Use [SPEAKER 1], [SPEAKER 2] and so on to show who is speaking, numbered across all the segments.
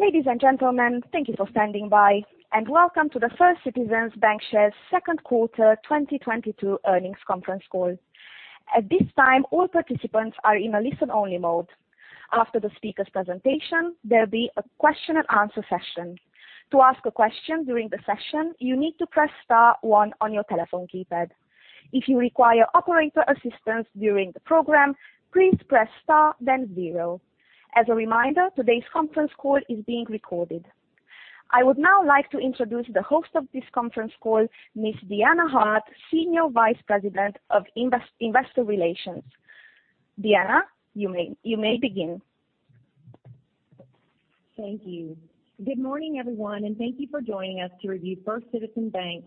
[SPEAKER 1] Ladies and gentlemen, thank you for standing by, and welcome to the First Citizens BancShares Second Quarter 2022 Earnings Conference Call. At this time, all participants are in a listen-only mode. After the speaker's presentation, there'll be a question-and-answer session. To ask a question during the session, you need to press star one on your telephone keypad. If you require operator assistance during the program, please press star then zero. As a reminder, today's conference call is being recorded. I would now like to introduce the host of this conference call, Miss Deanna Hart, Senior Vice President of Investor Relations. Deanna, you may begin.
[SPEAKER 2] Thank you. Good morning, everyone, and thank you for joining us to review First Citizens Bank's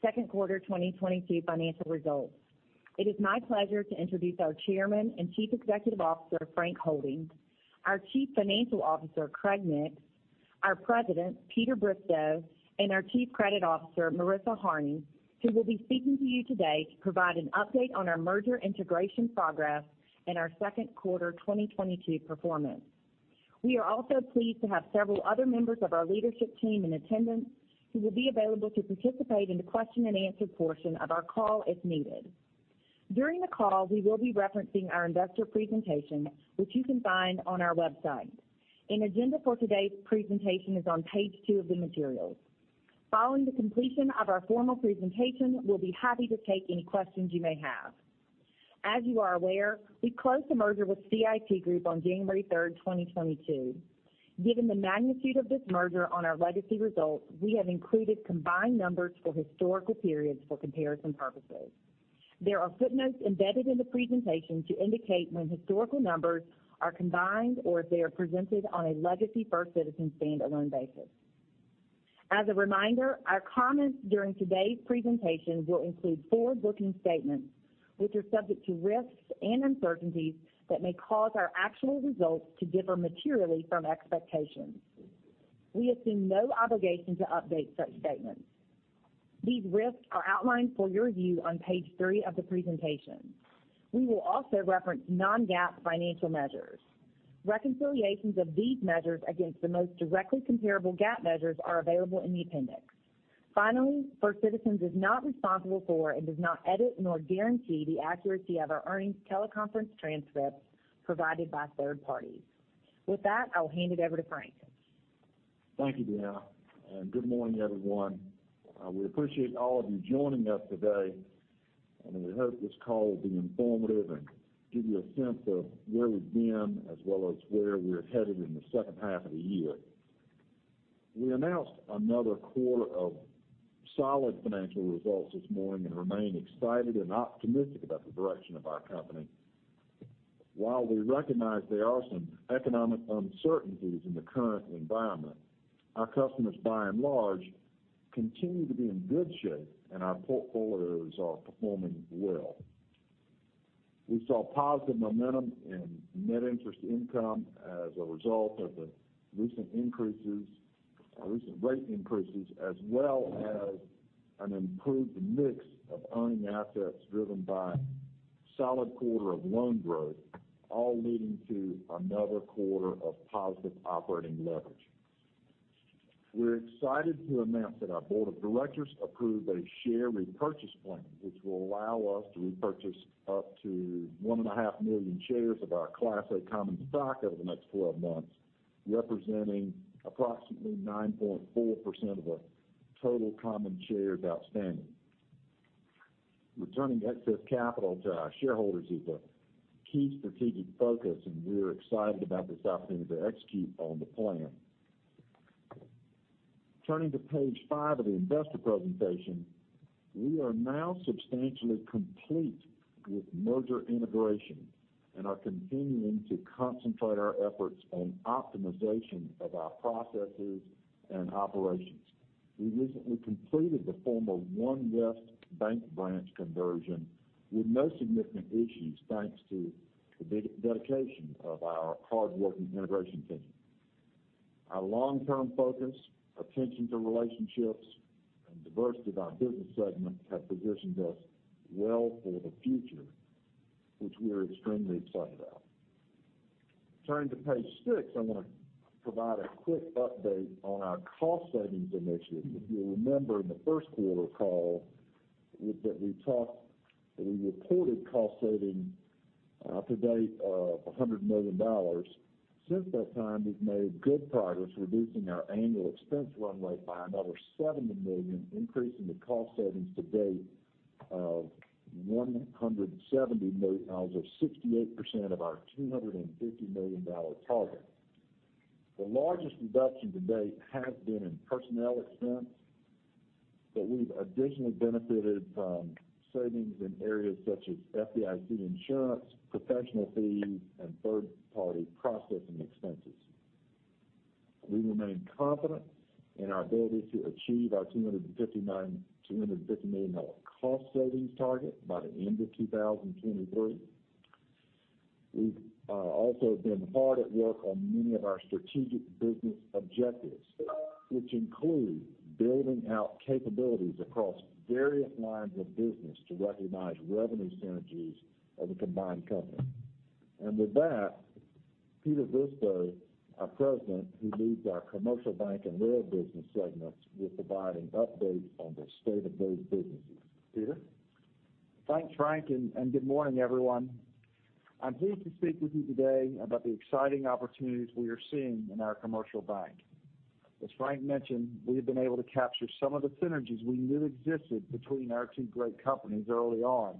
[SPEAKER 2] Second Quarter 2022 Financial Results. It is my pleasure to introduce our Chairman and Chief Executive Officer, Frank Holding, our Chief Financial Officer, Craig Nix, our President, Peter Bristow, and our Chief Credit Officer, Marisa Harney, who will be speaking to you today to provide an update on our merger integration progress and our second quarter 2022 performance. We are also pleased to have several other members of our leadership team in attendance who will be available to participate in the question-and-answer portion of our call if needed. During the call, we will be referencing our investor presentation, which you can find on our website. An agenda for today's presentation is on page two of the materials. Following the completion of our formal presentation, we'll be happy to take any questions you may have. As you are aware, we closed the merger with CIT Group on January 3rd, 2022. Given the magnitude of this merger on our legacy results, we have included combined numbers for historical periods for comparison purposes. There are footnotes embedded in the presentation to indicate when historical numbers are combined or if they are presented on a legacy First Citizens stand-alone basis. As a reminder, our comments during today's presentation will include forward-looking statements, which are subject to risks and uncertainties that may cause our actual results to differ materially from expectations. We assume no obligation to update such statements. These risks are outlined for your view on page three of the presentation. We will also reference non-GAAP financial measures. Reconciliations of these measures against the most directly comparable GAAP measures are available in the appendix. Finally, First Citizens is not responsible for and does not edit nor guarantee the accuracy of our earnings teleconference transcripts provided by third parties. With that, I'll hand it over to Frank.
[SPEAKER 3] Thank you, Deanna, and good morning, everyone. We appreciate all of you joining us today, and we hope this call will be informative and give you a sense of where we've been as well as where we're headed in the second half of the year. We announced another quarter of solid financial results this morning and remain excited and optimistic about the direction of our company. While we recognize there are some economic uncertainties in the current environment, our customers, by and large, continue to be in good shape, and our portfolios are performing well. We saw positive momentum in net interest income as a result of the recent rate increases, as well as an improved mix of earning assets driven by solid quarter of loan growth, all leading to another quarter of positive operating leverage. We're excited to announce that our Board of Directors approved a share repurchase plan, which will allow us to repurchase up to 1.5 million shares of our Class A common stock over the next 12 months, representing approximately 9.4% of our total common shares outstanding. Returning excess capital to our shareholders is a key strategic focus, and we're excited about this opportunity to execute on the plan. Turning to page five of the investor presentation. We are now substantially complete with merger integration and are continuing to concentrate our efforts on optimization of our processes and operations. We recently completed the former OneWest Bank branch conversion with no significant issues, thanks to the dedication of our hardworking integration team. Our long-term focus, attention to relationships, and diversity by business segment have positioned us well for the future, which we're extremely excited about. Turning to page six, I wanna provide a quick update on our cost savings initiative. If you'll remember in the first quarter call, we reported cost savings to date of $100 million. Since that time, we've made good progress reducing our annual expense run rate by another $70 million, increasing the cost savings to date of $170 million or 68% of our $250 million target. The largest reduction to date has been in personnel expense, but we've additionally benefited from savings in areas such as FDIC insurance, professional fees, and third-party processing expenses. We remain confident in our ability to achieve our $250 million cost savings target by the end of 2023. We've also been hard at work on many of our strategic business objectives, which include building out capabilities across various lines of business to recognize revenue synergies of the combined company. With that, Peter Bristow, our President, who leads our commercial bank and rail business segments, will provide an update on the state of those businesses. Peter?
[SPEAKER 4] Thanks, Frank, and good morning, everyone. I'm here to speak with you today about the exciting opportunities we are seeing in our commercial bank. As Frank mentioned, we have been able to capture some of the synergies we knew existed between our two great companies early on.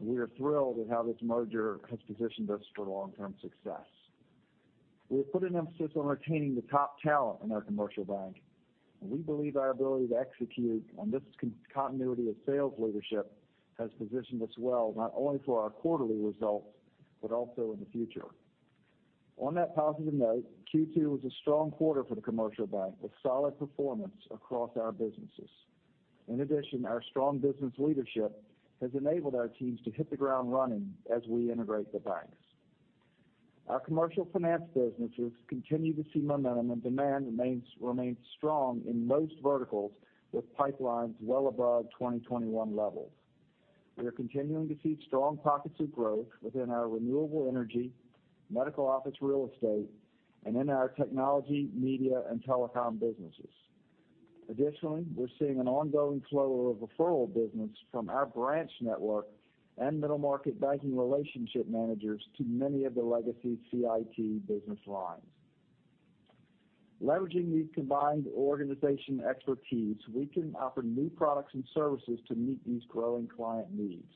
[SPEAKER 4] We are thrilled with how this merger has positioned us for long-term success. We have put an emphasis on retaining the top talent in our commercial bank, and we believe our ability to execute on this continuity of sales leadership has positioned us well, not only for our quarterly results, but also in the future. On that positive note, Q2 was a strong quarter for the commercial bank, with solid performance across our businesses. In addition, our strong business leadership has enabled our teams to hit the ground running as we integrate the banks. Our commercial finance businesses continue to see momentum, and demand remains strong in most verticals with pipelines well above 2021 levels. We are continuing to see strong pockets of growth within our renewable energy, medical office real estate, and in our technology, media, and telecom businesses. Additionally, we're seeing an ongoing flow of referral business from our branch network and middle-market banking relationship managers to many of the legacy CIT business lines. Leveraging the combined organization's expertise, we can offer new products and services to meet these growing client needs.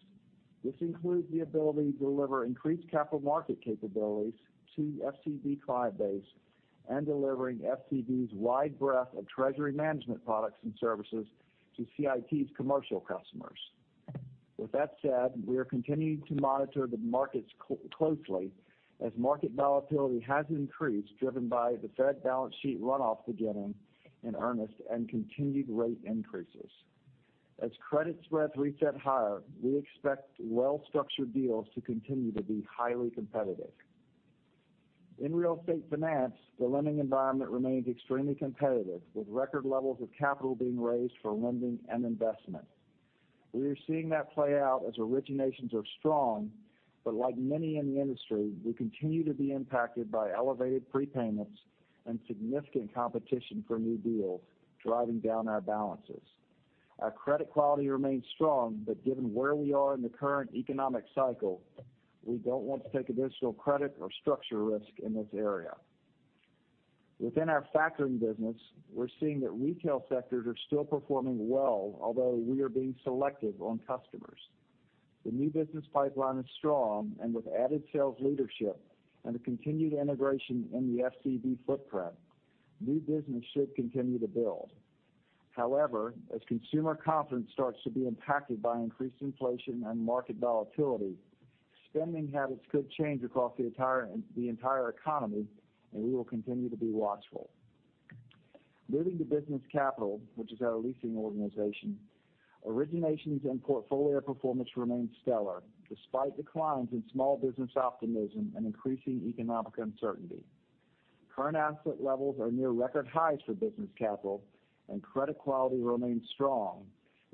[SPEAKER 4] This includes the ability to deliver increased capital market capabilities to FCB's client base and delivering FCB's wide breadth of treasury management products and services to CIT's commercial customers. With that said, we are continuing to monitor the markets closely as market volatility has increased, driven by the Fed balance sheet runoff beginning in earnest and continued rate increases. As credit spreads reset higher, we expect well-structured deals to continue to be highly competitive. In real estate finance, the lending environment remains extremely competitive, with record levels of capital being raised for lending and investment. We are seeing that play out as originations are strong, but like many in the industry, we continue to be impacted by elevated prepayments and significant competition for new deals driving down our balances. Our credit quality remains strong, but given where we are in the current economic cycle, we don't want to take additional credit or structure risk in this area. Within our factoring business, we're seeing that retail sectors are still performing well, although we are being selective on customers. The new business pipeline is strong, and with added sales leadership and the continued integration in the FCB footprint, new business should continue to build. However, as consumer confidence starts to be impacted by increased inflation and market volatility, spending habits could change across the entire economy, and we will continue to be watchful. Moving to business capital, which is our leasing organization, originations and portfolio performance remain stellar despite declines in small business optimism and increasing economic uncertainty. Current asset levels are near record highs for business capital and credit quality remains strong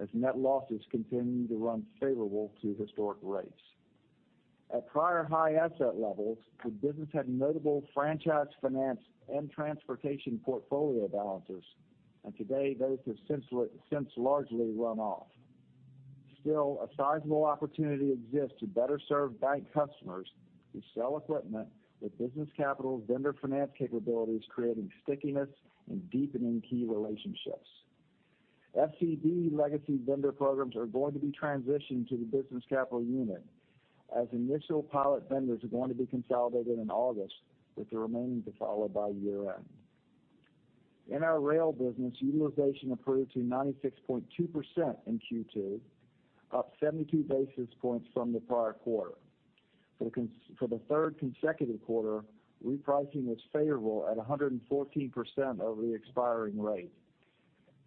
[SPEAKER 4] as net losses continue to run favorable to historic rates. At prior high asset levels, the business had notable franchise finance and transportation portfolio balances, and today those have since largely run off. Still, a sizable opportunity exists to better serve bank customers who sell equipment with business capital vendor finance capabilities creating stickiness and deepening key relationships. FCB legacy vendor programs are going to be transitioned to the business capital unit as initial pilot vendors are going to be consolidated in August, with the remaining to follow by year-end. In our rail business, utilization improved to 96.2% in Q2, up 72 basis points from the prior quarter. For the third consecutive quarter, repricing was favorable at 114% over the expiring rate.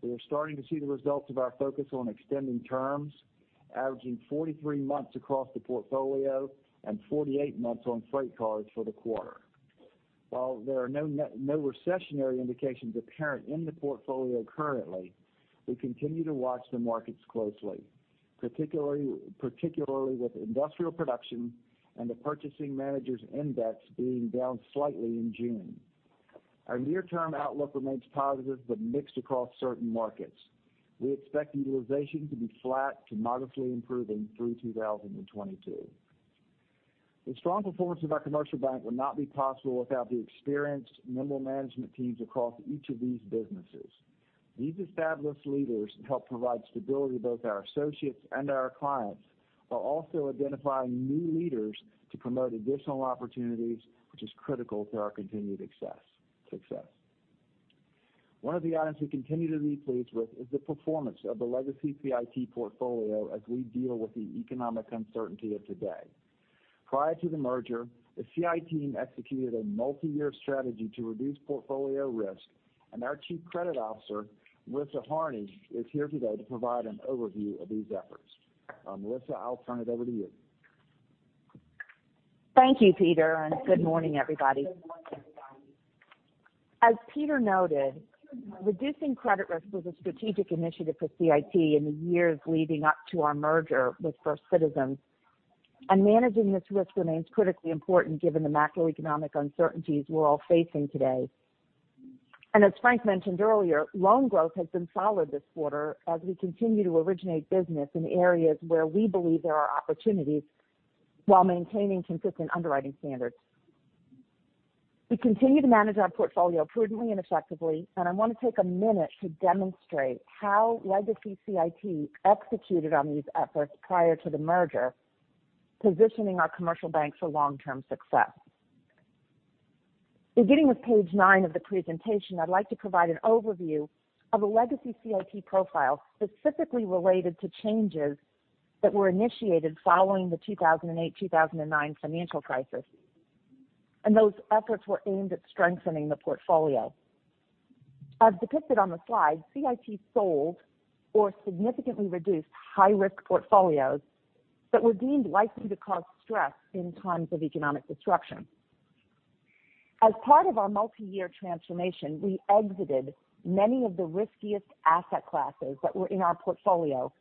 [SPEAKER 4] We are starting to see the results of our focus on extending terms, averaging 43 months across the portfolio and 48 months on freight cars for the quarter. While there are no recessionary indications apparent in the portfolio currently, we continue to watch the markets closely, particularly with industrial production and the Purchasing Managers Index being down slightly in June. Our near-term outlook remains positive but mixed across certain markets. We expect utilization to be flat to modestly improving through 2022. The strong performance of our commercial bank would not be possible without the experienced middle management teams across each of these businesses. These established leaders help provide stability to both our associates and our clients, while also identifying new leaders to promote additional opportunities, which is critical to our continued success. One of the items we continue to be pleased with is the performance of the legacy CIT portfolio as we deal with the economic uncertainty of today. Prior to the merger, the CIT team executed a multiyear strategy to reduce portfolio risk, and our Chief Credit Officer, Marisa Harney, is here today to provide an overview of these efforts. Marisa, I'll turn it over to you.
[SPEAKER 5] Thank you, Peter, and good morning, everybody. As Peter noted, reducing credit risk was a strategic initiative for CIT in the years leading up to our merger with First Citizens. Managing this risk remains critically important given the macroeconomic uncertainties we're all facing today. As Frank mentioned earlier, loan growth has been solid this quarter as we continue to originate business in areas where we believe there are opportunities while maintaining consistent underwriting standards. We continue to manage our portfolio prudently and effectively, and I want to take a minute to demonstrate how legacy CIT executed on these efforts prior to the merger, positioning our commercial bank for long-term success. Beginning with page 9 of the presentation, I'd like to provide an overview of a legacy CIT profile, specifically related to changes that were initiated following the 2008, 2009 financial crisis. Those efforts were aimed at strengthening the portfolio. As depicted on the slide, CIT sold or significantly reduced high-risk portfolios that were deemed likely to cause stress in times of economic disruption. As part of our multi-year transformation, we exited many of the riskiest asset classes that were in our portfolio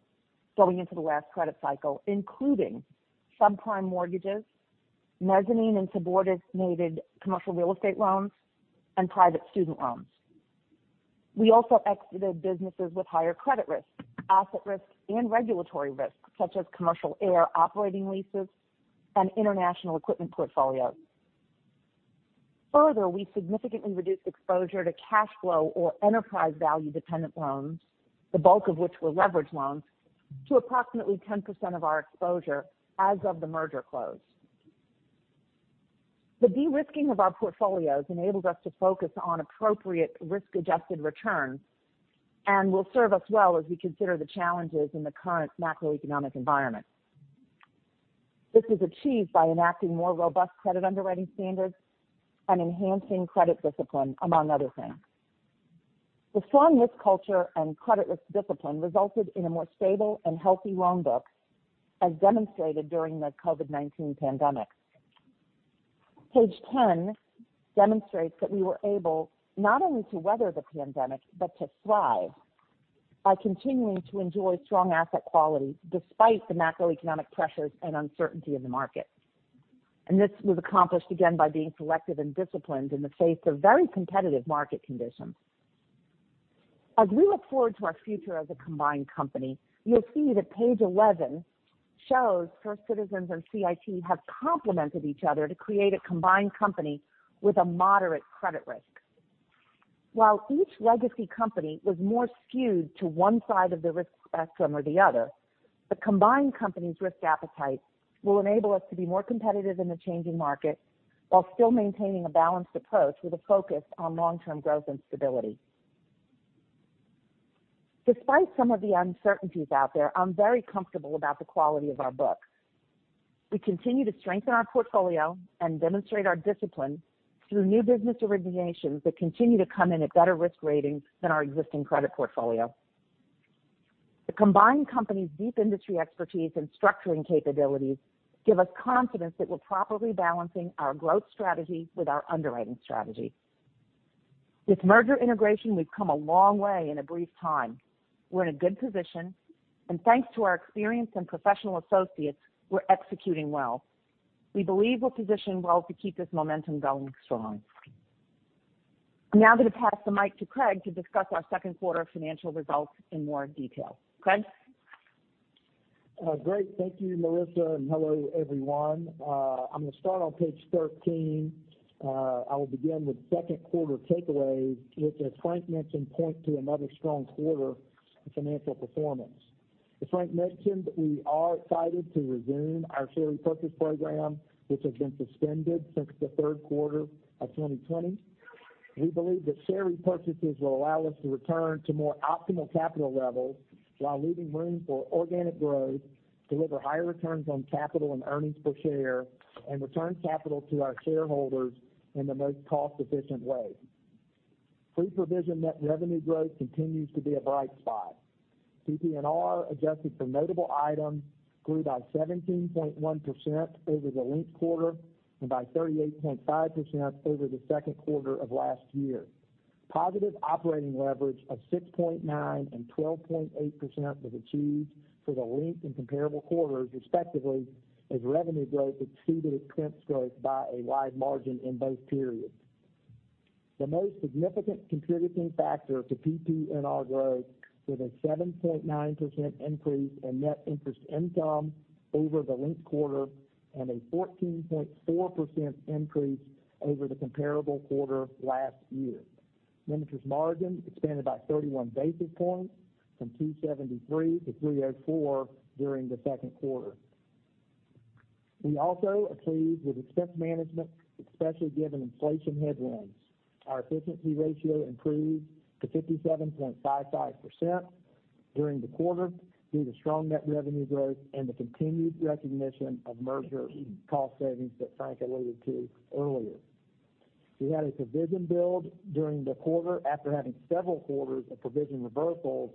[SPEAKER 5] going into the last credit cycle, including subprime mortgages, mezzanine and subordinated commercial real estate loans, and private student loans. We also exited businesses with higher credit risk, asset risk, and regulatory risk, such as commercial aircraft operating leases and international equipment portfolios. Further, we significantly reduced exposure to cash flow or enterprise value-dependent loans, the bulk of which were leveraged loans, to approximately 10% of our exposure as of the merger close. The de-risking of our portfolios enables us to focus on appropriate risk-adjusted returns and will serve us well as we consider the challenges in the current macroeconomic environment. This is achieved by enacting more robust credit underwriting standards and enhancing credit discipline, among other things. The strong risk culture and credit risk discipline resulted in a more stable and healthy loan book as demonstrated during the COVID-19 pandemic. Page 10 demonstrates that we were able not only to weather the pandemic but to thrive by continuing to enjoy strong asset quality despite the macroeconomic pressures and uncertainty in the market. This was accomplished again by being selective and disciplined in the face of very competitive market conditions. As we look forward to our future as a combined company, you'll see that page 11 shows First Citizens and CIT have complemented each other to create a combined company with a moderate credit risk. While each legacy company was more skewed to one side of the risk spectrum or the other, the combined company's risk appetite will enable us to be more competitive in the changing market while still maintaining a balanced approach with a focus on long-term growth and stability. Despite some of the uncertainties out there, I'm very comfortable about the quality of our book. We continue to strengthen our portfolio and demonstrate our discipline through new business originations that continue to come in at better risk ratings than our existing credit portfolio. The combined company's deep industry expertise and structuring capabilities give us confidence that we're properly balancing our growth strategy with our underwriting strategy. With merger integration, we've come a long way in a brief time. We're in a good position, and thanks to our experienced and professional associates, we're executing well. We believe we're positioned well to keep this momentum going strong. I'm now going to pass the mic to Craig to discuss our second quarter financial results in more detail. Craig?
[SPEAKER 6] Great. Thank you, Marisa, and hello, everyone. I'm gonna start on page 13. I will begin with second quarter takeaways, which as Frank mentioned, point to another strong quarter of financial performance. As Frank mentioned, we are excited to resume our share repurchase program, which has been suspended since the third quarter of 2020. We believe that share repurchases will allow us to return to more optimal capital levels while leaving room for organic growth, deliver higher returns on capital and earnings per share, and return capital to our shareholders in the most cost-efficient way. Pre-provision net revenue growth continues to be a bright spot. PPNR, adjusted for notable items, grew by 17.1% over the linked quarter and by 38.5% over the second quarter of last year. Positive operating leverage of 6.9% and 12.8% was achieved for the linked and comparable quarters respectively as revenue growth exceeded expense growth by a wide margin in both periods. The most significant contributing factor to PPNR growth was a 7.9% increase in net interest income over the linked quarter and a 14.4% increase over the comparable quarter last year. Net interest margin expanded by 31 basis points from 273 to 304 during the second quarter. We also are pleased with expense management, especially given inflation headwinds. Our efficiency ratio improved to 57.55% during the quarter due to strong net revenue growth and the continued recognition of merger cost savings that Frank alluded to earlier. We had a provision build during the quarter after having several quarters of provision reversals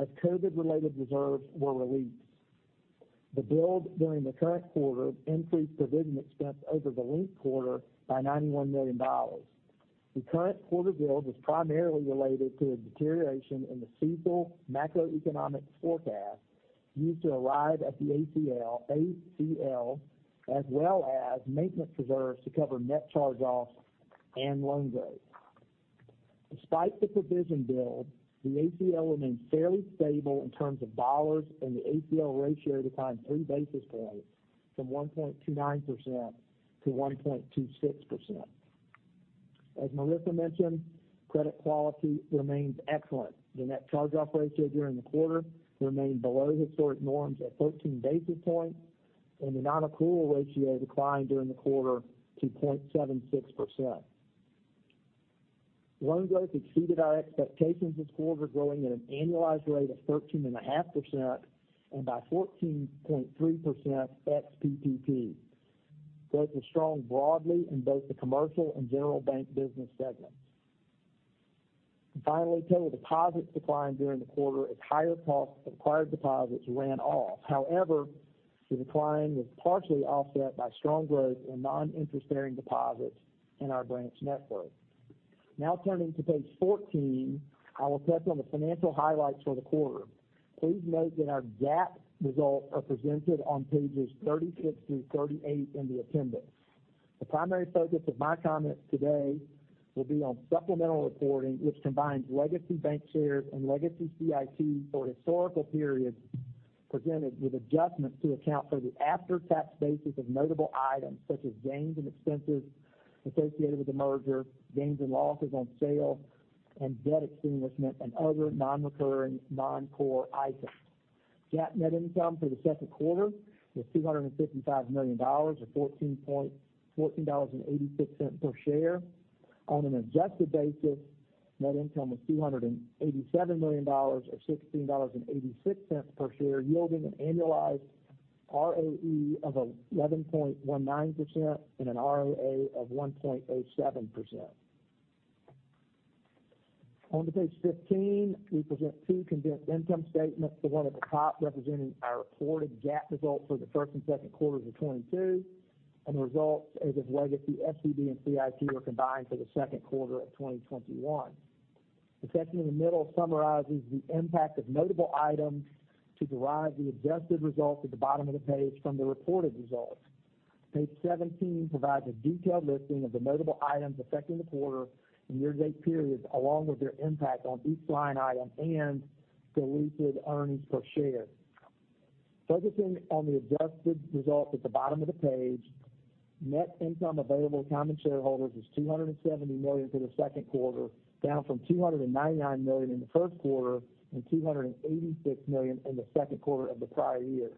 [SPEAKER 6] as COVID-related reserves were released. The build during the current quarter increased provision expense over the linked quarter by $91 million. The current quarter build was primarily related to a deterioration in the CECL macroeconomic forecast used to arrive at the ACL as well as maintenance reserves to cover net charge-offs and loan growth. Despite the provision build, the ACL remained fairly stable in terms of dollars and the ACL ratio declined three basis points from 1.29% to 1.26%. As Marisa mentioned, credit quality remains excellent. The net charge-off ratio during the quarter remained below historic norms at 14 basis points, and the non-accrual ratio declined during the quarter to 0.76%. Loan growth exceeded our expectations this quarter, growing at an annualized rate of 13.5% and by 14.3% ex PPP. Growth was strong broadly in both the commercial and general bank business segments. Finally, total deposits declined during the quarter as higher cost acquired deposits ran off. However, the decline was partially offset by strong growth in non-interest-bearing deposits in our branch network. Now turning to page 14, I will touch on the financial highlights for the quarter. Please note that our GAAP results are presented on pages 36 through 38 in the appendix. The primary focus of my comments today will be on supplemental reporting, which combines legacy BancShares and legacy CIT for historical periods presented with adjustments to account for the after-tax basis of notable items such as gains and expenses associated with the merger, gains and losses on sale and debt extinguishment and other non-recurring non-core items. GAAP net income for the second quarter was $255 million or $14.86 per share. On an adjusted basis, net income was $287 million or $16.86 per share, yielding an annualized ROE of 11.19% and an ROA of 1.87%. On to page 15, we present two condensed income statements, the one at the top representing our reported GAAP results for the first and second quarters of 2022, and the results as if legacy FCB and CIT are combined for the second quarter of 2021. The section in the middle summarizes the impact of notable items to derive the adjusted results at the bottom of the page from the reported results. Page 17 provides a detailed listing of the notable items affecting the quarter and year-to-date periods, along with their impact on each line item and diluted earnings per share. Focusing on the adjusted results at the bottom of the page, net income available to common shareholders was $270 million for the second quarter, down from $299 million in the first quarter and $286 million in the second quarter of the prior year.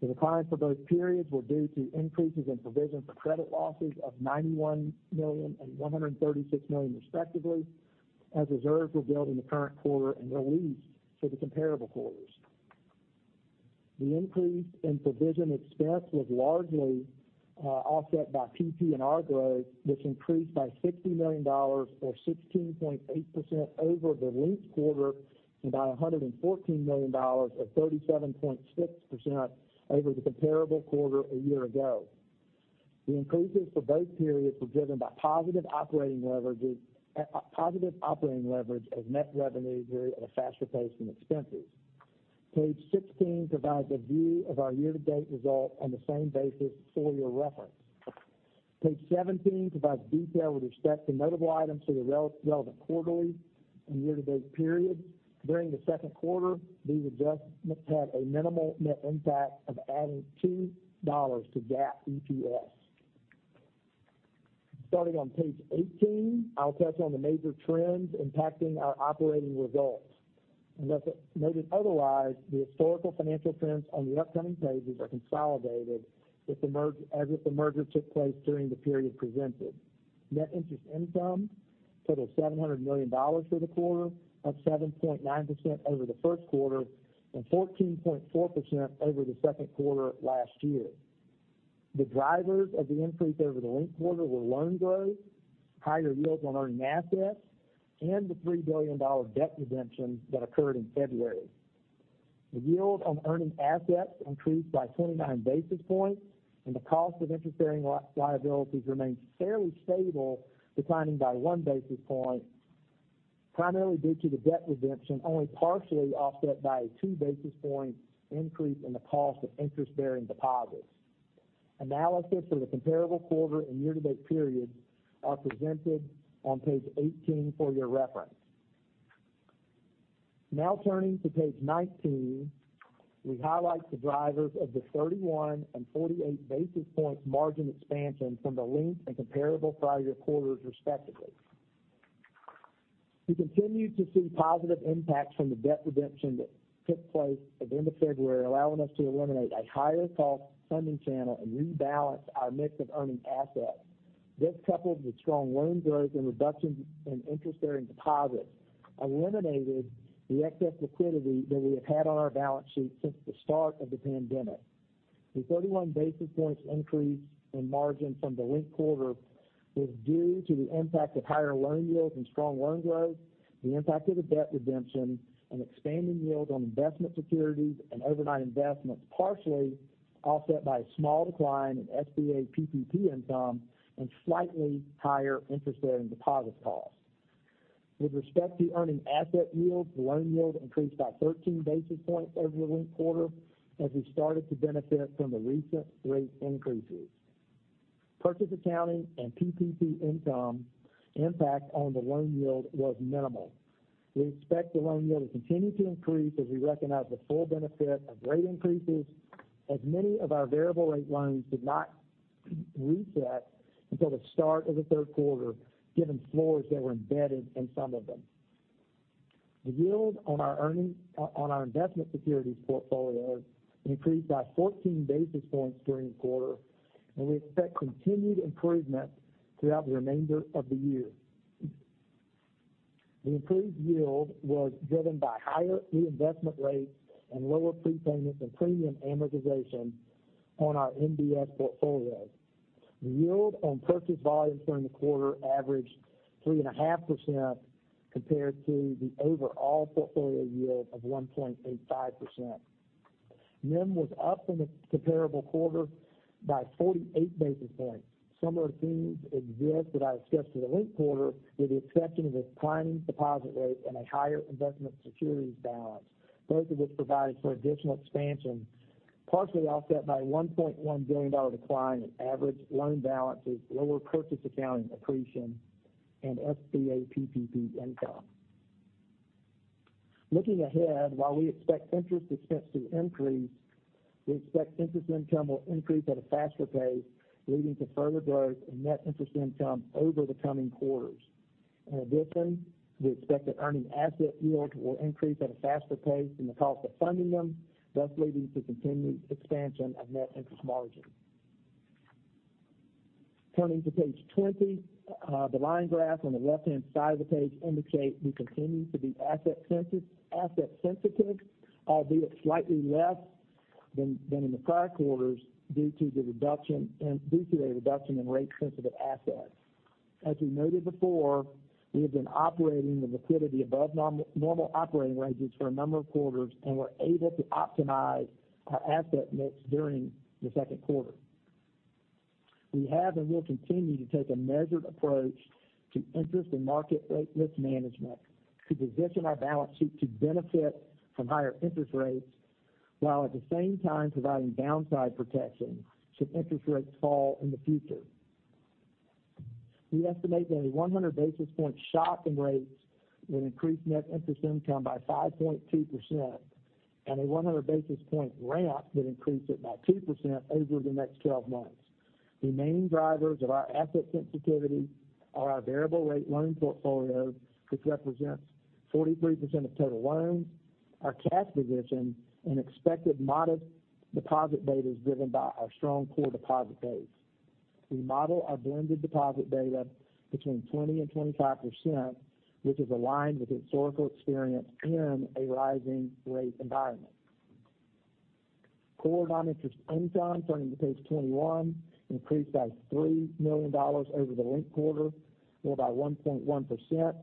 [SPEAKER 6] The declines for both periods were due to increases in provision for credit losses of $91 million and $136 million, respectively, as reserves were built in the current quarter and released for the comparable quarters. The increase in provision expense was largely offset by PPNR growth, which increased by $60 million or 16.8% over the linked quarter and by $114 million or 37.6% over the comparable quarter a year ago. The increases for both periods were driven by positive operating leverage as net revenues grew at a faster pace than expenses. Page 16 provides a view of our year-to-date results on the same basis for your reference. Page 17 provides detail with respect to notable items for the relevant quarterly and year-to-date periods. During the second quarter, these adjustments had a minimal net impact of adding $2 to GAAP EPS. Starting on page 18, I'll touch on the major trends impacting our operating results. Unless noted otherwise, the historical financial trends on the upcoming pages are consolidated with the merger, as if the merger took place during the period presented. Net interest income totaled $700 million for the quarter, up 7.9% over the first quarter and 14.4% over the second quarter last year. The drivers of the increase over the linked quarter were loan growth, higher yields on earning assets, and the $3 billion debt redemption that occurred in February. The yield on earning assets increased by 29 basis points, and the cost of interest-bearing liabilities remained fairly stable, declining by 1 basis point, primarily due to the debt redemption, only partially offset by a 2 basis point increase in the cost of interest-bearing deposits. Analysis for the comparable quarter and year-to-date period are presented on page 18 for your reference. Now turning to page 19, we highlight the drivers of the 31 basis point and 48 basis point margin expansion from the linked and comparable prior year quarters, respectively. We continue to see positive impacts from the debt redemption that took place at the end of February, allowing us to eliminate a higher cost funding channel and rebalance our mix of earning assets. This, coupled with strong loan growth and reductions in interest-bearing deposits, eliminated the excess liquidity that we have had on our balance sheet since the start of the pandemic. The 31 basis points increase in margin from the linked quarter was due to the impact of higher loan yields and strong loan growth, the impact of the debt redemption, and expanding yield on investment securities and overnight investments, partially offset by a small decline in SBA PPP income and slightly higher interest-bearing deposit costs. With respect to earning asset yield, the loan yield increased by 13 basis points over the linked quarter as we started to benefit from the recent rate increases. Purchase accounting and PPP income impact on the loan yield was minimal. We expect the loan yield to continue to increase as we recognize the full benefit of rate increases, as many of our variable rate loans did not reset until the start of the third quarter, given floors that were embedded in some of them. The yield on our investment securities portfolio increased by 14 basis points during the quarter, and we expect continued improvement throughout the remainder of the year. The improved yield was driven by higher reinvestment rates and lower prepayments and premium amortization on our MBS portfolio. The yield on purchase volume during the quarter averaged 3.5% compared to the overall portfolio yield of 1.85%. NIM was up in the comparable quarter by 48 basis points. Similar themes exist that I discussed in the linked quarter, with the exception of the declining deposit rate and a higher investment securities balance, both of which provided for additional expansion, partially offset by $1.1 billion decline in average loan balances, lower purchase accounting accretion, and SBA PPP income. Looking ahead, while we expect interest expense to increase, we expect interest income will increase at a faster pace, leading to further growth in net interest income over the coming quarters. In addition, we expect that earning asset yield will increase at a faster pace than the cost of funding them, thus leading to continued expansion of net interest margin. Turning to page 20, the line graph on the left-hand side of the page indicates we continue to be asset sensitive, albeit slightly less than in the prior quarters due to a reduction in rate sensitive assets. As we noted before, we have been operating with liquidity above normal operating ranges for a number of quarters, and we're able to optimize our asset mix during the second quarter. We have and will continue to take a measured approach to interest and market rate risk management to position our balance sheet to benefit from higher interest rates, while at the same time providing downside protection should interest rates fall in the future. We estimate that a 100 basis point shock in rates would increase net interest income by 5.2%, and a 100 basis point ramp would increase it by 2% over the next 12 months. The main drivers of our asset sensitivity are our variable rate loan portfolio, which represents 43% of total loans, our cash position, and expected modest deposit betas driven by our strong core deposit base. We model our blended deposit beta between 20% and 25%, which is aligned with historical experience in a rising rate environment. Core non-interest income, turning to page 21, increased by $3 million over the linked quarter or by 1.1%.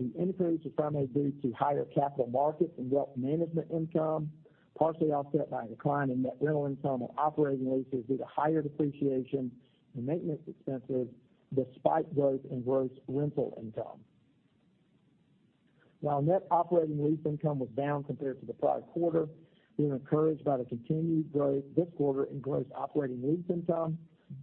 [SPEAKER 6] The increase was primarily due to higher capital markets and wealth management income, partially offset by a decline in net rental income and operating leases due to higher depreciation and maintenance expenses despite growth in gross rental income. While net operating lease income was down compared to the prior quarter, we were encouraged by the continued growth this quarter in gross operating lease income,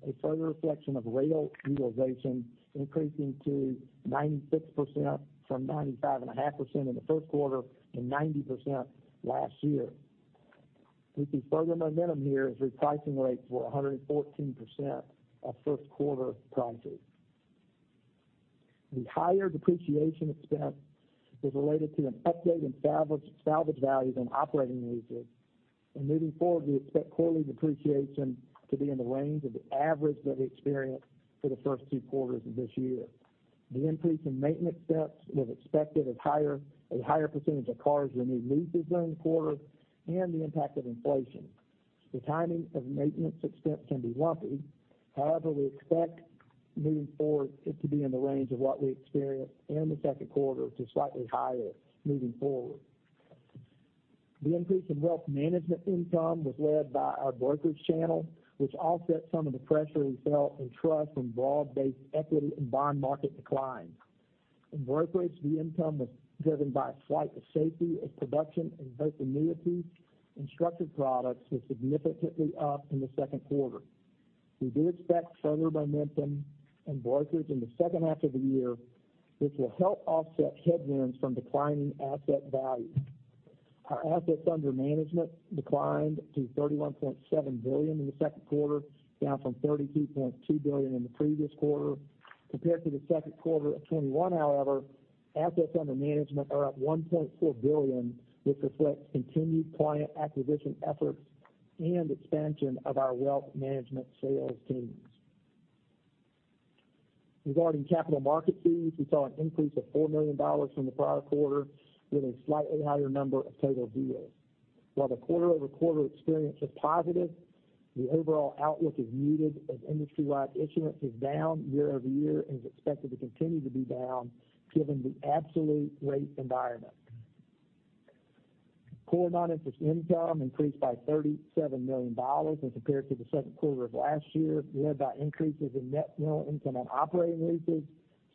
[SPEAKER 6] a further reflection of railcar utilization increasing to 96% from 95.5% in the first quarter and 90% last year. We see further momentum here as repricing rates were 114% of first quarter prices. The higher depreciation expense was related to an update in salvage values on operating leases. Moving forward, we expect quarterly depreciation to be in the range of the average that we experienced for the first two quarters of this year. The increase in maintenance expense was expected as a higher percentage of cars we lease during the quarter and the impact of inflation. The timing of maintenance expense can be lumpy. However, we expect moving forward it to be in the range of what we experienced in the second quarter to slightly higher moving forward. The increase in wealth management income was led by our brokerage channel, which offset some of the pressure we felt in trust from broad-based equity and bond market declines. In brokerage, the income was driven by a flight to safety as production in both annuities and structured products was significantly up in the second quarter. We do expect further momentum in brokerage in the second half of the year, which will help offset headwinds from declining asset value. Our assets under management declined to $31.7 billion in the second quarter, down from $32.2 billion in the previous quarter. Compared to the second quarter of 2021, however, assets under management are up $1.4 billion, which reflects continued client acquisition efforts and expansion of our wealth management sales teams. Regarding capital market fees, we saw an increase of $4 million from the prior quarter with a slightly higher number of total deals. While the quarter-over-quarter experience is positive, the overall outlook is muted as industry-wide issuance is down year-over-year and is expected to continue to be down given the absolute rate environment. Core non-interest income increased by $37 million as compared to the second quarter of last year, led by increases in net rental income on operating leases,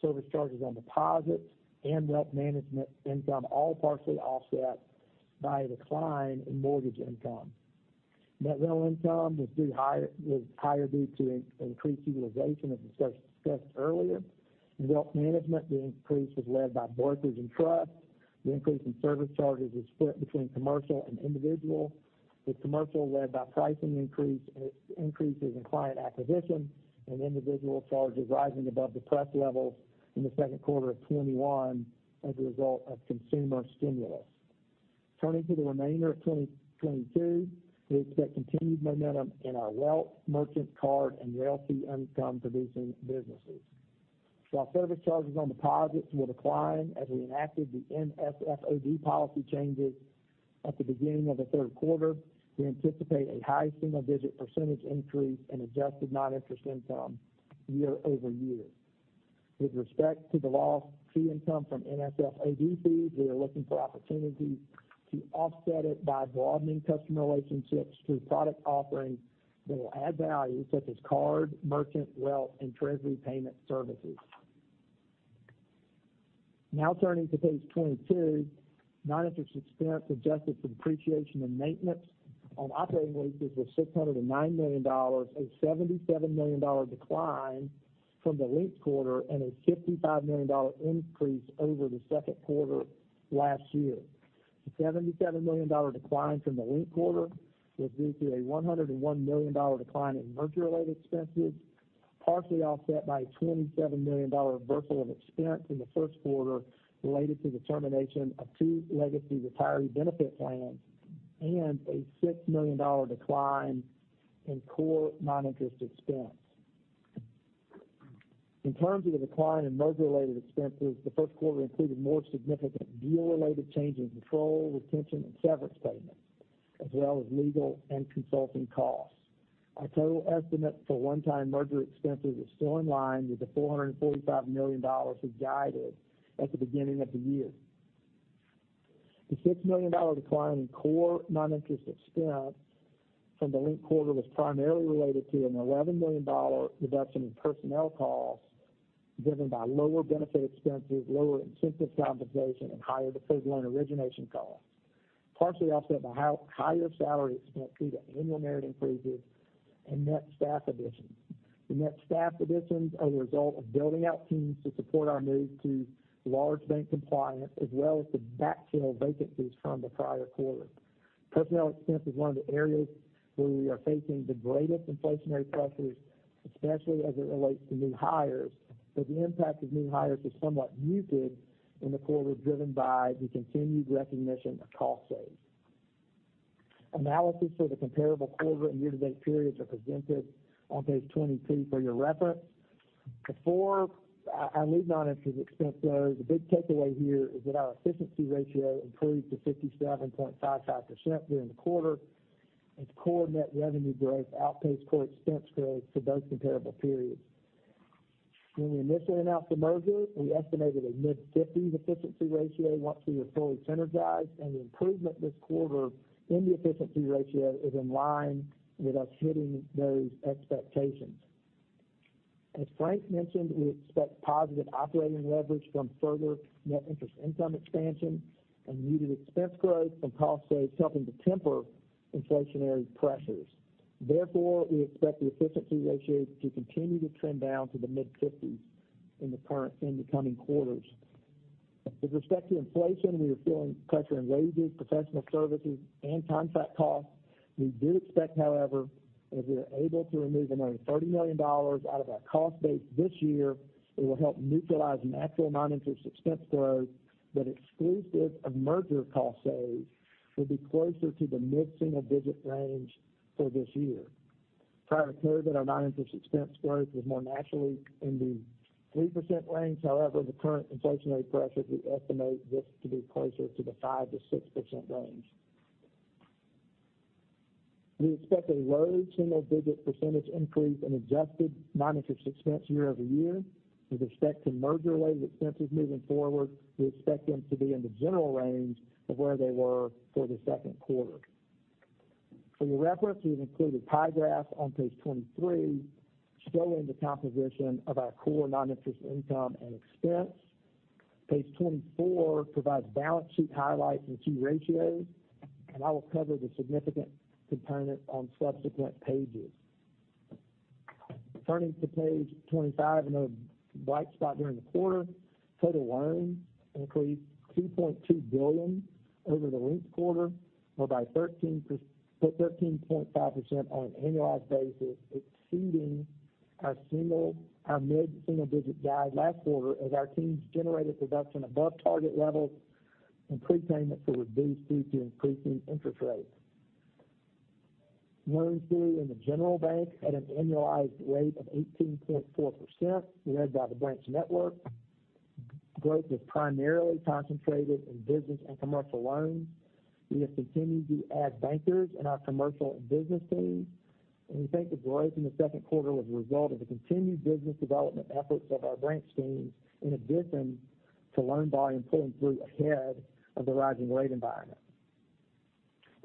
[SPEAKER 6] service charges on deposits, and wealth management income, all partially offset by a decline in mortgage income. Net rental income was higher due to increased utilization, as discussed earlier. In wealth management, the increase was led by brokers and trust. The increase in service charges was split between commercial and individual, with commercial led by pricing increases in client acquisition and individual charges rising above depressed levels in the second quarter of 2021 as a result of consumer stimulus. Turning to the remainder of 2022, we expect continued momentum in our wealth, merchant, card, and royalty income producing businesses. While service charges on deposits will decline as we enacted the NSF/OD policy changes at the beginning of the third quarter, we anticipate a high single-digit percentage increase in adjusted non-interest income year-over-year. With respect to the lost fee income from NSF/OD fees, we are looking for opportunities to offset it by broadening customer relationships through product offerings that will add value such as card, merchant, wealth, and treasury payment services. Now turning to page 22. Non-interest expense adjusted for depreciation and maintenance on operating leases was $609 million, a $77 million decline from the linked quarter and a $55 million increase over the second quarter last year. The $77 million decline from the linked quarter was due to a $101 million decline in merger-related expenses, partially offset by a $27 million reversal of expense in the first quarter related to the termination of two legacy retiree benefit plans and a $6 million decline in core non-interest expense. In terms of the decline in merger-related expenses, the first quarter included more significant deal-related change in control, retention, and severance payments, as well as legal and consulting costs. Our total estimate for one-time merger expenses is still in line with the $445 million we guided at the beginning of the year. The $6 million decline in core non-interest expense from the linked quarter was primarily related to an $11 million reduction in personnel costs driven by lower benefit expenses, lower incentive compensation, and higher personnel and origination costs, partially offset by higher salary expense due to annual merit increases and net staff additions. The net staff additions are the result of building out teams to support our move to large bank compliance as well as to backfill vacancies from the prior quarter. Personnel expense is one of the areas where we are facing the greatest inflationary pressures, especially as it relates to new hires, but the impact of new hires was somewhat muted in the quarter driven by the continued recognition of cost savings. Analysis for the comparable quarter and year-to-date periods are presented on page 22 for your reference. Before I leave non-interest expense though, the big takeaway here is that our efficiency ratio improved to 57.55% during the quarter as core net revenue growth outpaced core expense growth for both comparable periods. When we initially announced the merger, we estimated a mid-50s efficiency ratio once we were fully synergized, and the improvement this quarter in the efficiency ratio is in line with us hitting those expectations. As Frank mentioned, we expect positive operating leverage from further net interest income expansion and muted expense growth from cost saves helping to temper inflationary pressures. Therefore, we expect the efficiency ratio to continue to trend down to the mid-50s in the coming quarters. With respect to inflation, we are feeling pressure in wages, professional services, and contract costs. We do expect, however, as we are able to remove another $30 million out of our cost base this year, it will help neutralize natural non-interest expense growth that exclusive of merger costs, savings will be closer to the mid-single digit range for this year. Prior to COVID, our non-interest expense growth was more naturally in the 3% range. However, the current inflationary pressures, we estimate this to be closer to the 5%-6% range. We expect a low single-digit percentage increase in adjusted non-interest expense year-over-year. With respect to merger-related expenses moving forward, we expect them to be in the general range of where they were for the second quarter. For your reference, we've included pie charts on page 23 showing the composition of our core non-interest income and expense. Page 24 provides balance sheet highlights and key ratios, and I will cover the significant components on subsequent pages. Turning to page 25, another bright spot during the quarter, total loans increased $2.2 billion over the linked quarter, or by 13.5% on an annualized basis, exceeding our mid-single digit guide last quarter as our teams generated production above target levels and prepayments were reduced due to increasing interest rates. Loans grew in the general bank at an annualized rate of 18.4%, led by the branch network. Growth is primarily concentrated in business and commercial loans. We have continued to add bankers in our commercial and business teams, and we think the growth in the second quarter was a result of the continued business development efforts of our branch teams, in addition to loan volume pulling through ahead of the rising rate environment.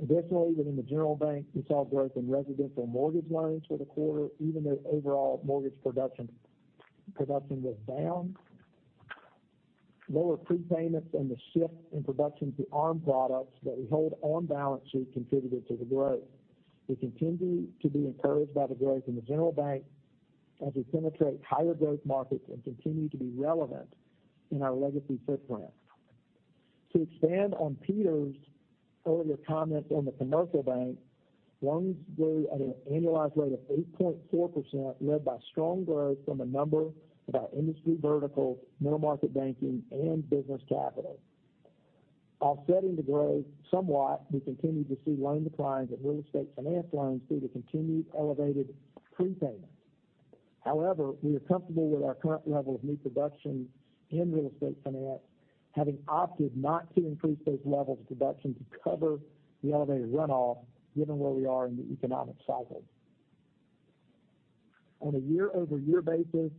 [SPEAKER 6] Additionally, within the general bank, we saw growth in residential mortgage loans for the quarter, even though overall mortgage production was down. Lower prepayments and the shift in production to ARM products that we hold on balance sheet contributed to the growth. We continue to be encouraged by the growth in the general bank as we penetrate higher growth markets and continue to be relevant in our legacy footprint. To expand on Peter's earlier comments on the commercial bank, loans grew at an annualized rate of 8.4%, led by strong growth from a number of our industry verticals, middle market banking and business capital. Offsetting the growth somewhat, we continued to see loan declines in real estate finance loans due to continued elevated prepayments. However, we are comfortable with our current level of new production in real estate finance, having opted not to increase those levels of production to cover the elevated runoff, given where we are in the economic cycle. On a year-over-year basis,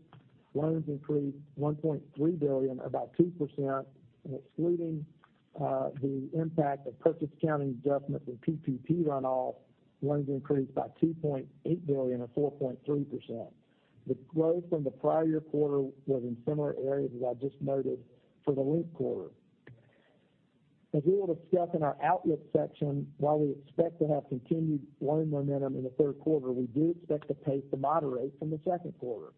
[SPEAKER 6] loans increased $1.3 billion, about 2%, and excluding the impact of purchase accounting adjustments and PPP runoff, loans increased by $2.8 billion or 4.3%. The growth from the prior year quarter was in similar areas as I just noted for the linked quarter. As we will discuss in our outlook section, while we expect to have continued loan momentum in the third quarter, we do expect the pace to moderate from the second quarter.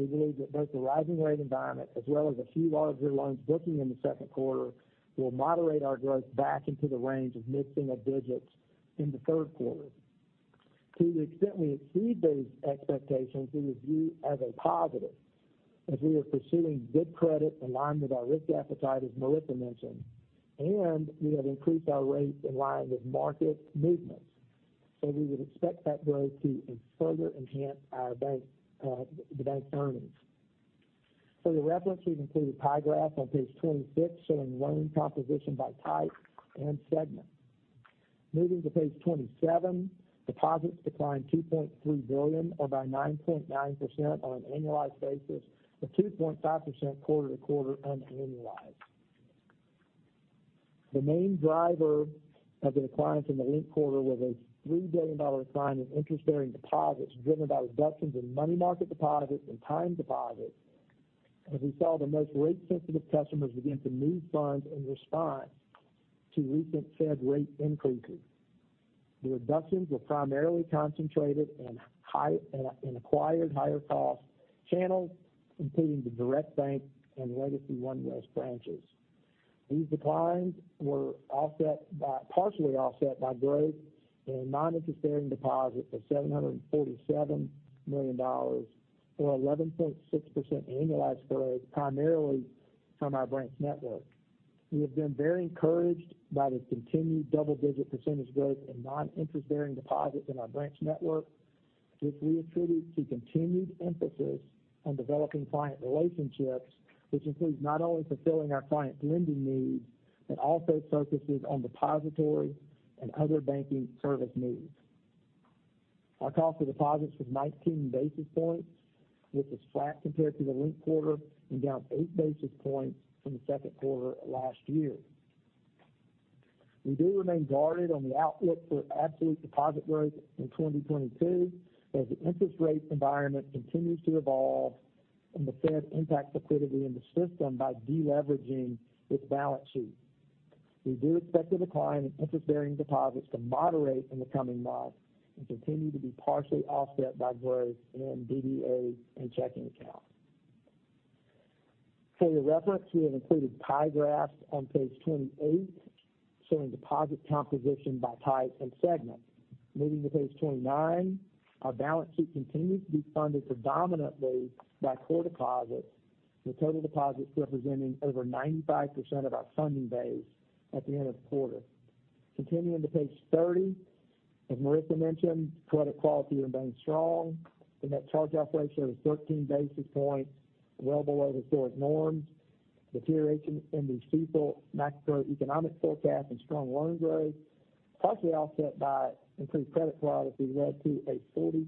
[SPEAKER 6] We believe that both the rising rate environment as well as a few larger loans booking in the second quarter will moderate our growth back into the range of mid-single digits in the third quarter. To the extent we exceed those expectations, we review as a positive as we are pursuing good credit aligned with our risk appetite, as Marisa mentioned, and we have increased our rates in line with market movements. We would expect that growth to further enhance our bank, the bank's earnings. For your reference, we've included a pie graph on page 26 showing loan composition by type and segment. Moving to page 27, deposits declined $2.3 billion or by 9.9% on an annualized basis, with 2.5% quarter-to-quarter unannualized. The main driver of the declines in the linked quarter was a $3 billion decline in interest-bearing deposits, driven by reductions in money market deposits and time deposits, as we saw the most rate-sensitive customers begin to move funds in response to recent Fed rate increases. The reductions were primarily concentrated in acquired higher cost channels, including the direct bank and legacy OneWest branches. These declines were partially offset by growth in non-interest-bearing deposits of $747 million or 11.6% annualized growth, primarily from our branch network. We have been very encouraged by the continued double-digit percentage growth in non-interest-bearing deposits in our branch network, which we attribute to continued emphasis on developing client relationships, which includes not only fulfilling our client lending needs, but also focuses on depository and other banking service needs. Our cost of deposits was 19 basis points, which is flat compared to the linked quarter and down 8 basis points from the second quarter of last year. We do remain guarded on the outlook for absolute deposit growth in 2022 as the interest rate environment continues to evolve and the Fed impacts liquidity in the system by de-leveraging its balance sheet. We do expect the decline in interest-bearing deposits to moderate in the coming months and continue to be partially offset by growth in DDA and checking accounts. For your reference, we have included pie graphs on page 28 showing deposit composition by type and segment. Moving to page 29, our balance sheet continues to be funded predominantly by core deposits, with total deposits representing over 95% of our funding base at the end of the quarter. Continuing to page 30, as Marisa mentioned, credit quality remains strong. The net charge-off ratio is 13 basis points, well below historic norms. Deterioration in the CECL macroeconomic forecast and strong loan growth, partially offset by improved credit quality, led to a $42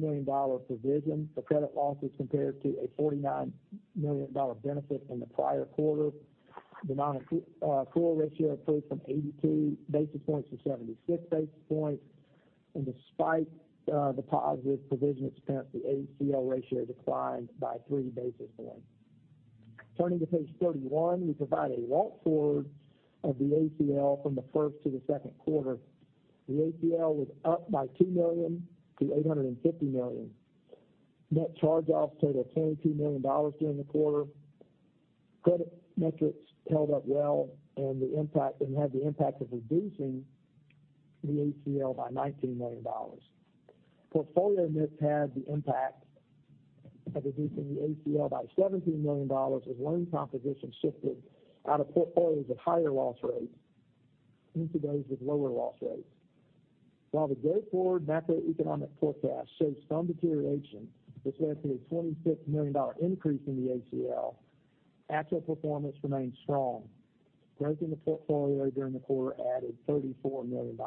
[SPEAKER 6] million provision for credit losses compared to a $49 million benefit in the prior quarter. The non-accrual ratio improved from 82 basis points to 76 basis points. Despite the positive provision expense, the ACL ratio declined by 3 basis points. Turning to page 31, we provide a walk forward of the ACL from the first to the second quarter. The ACL was up by $2 million to $850 million. Net charge-offs totaled $22 million during the quarter. Credit metrics held up well and had the impact of reducing the ACL by $19 million. Portfolio mix had the impact by reducing the ACL by $17 million as loan composition shifted out of portfolios of higher loss rates into those with lower loss rates. While the go forward macroeconomic forecast shows some deterioration, which led to a $26 million increase in the ACL, actual performance remains strong, growth in the portfolio during the quarter added $34 million.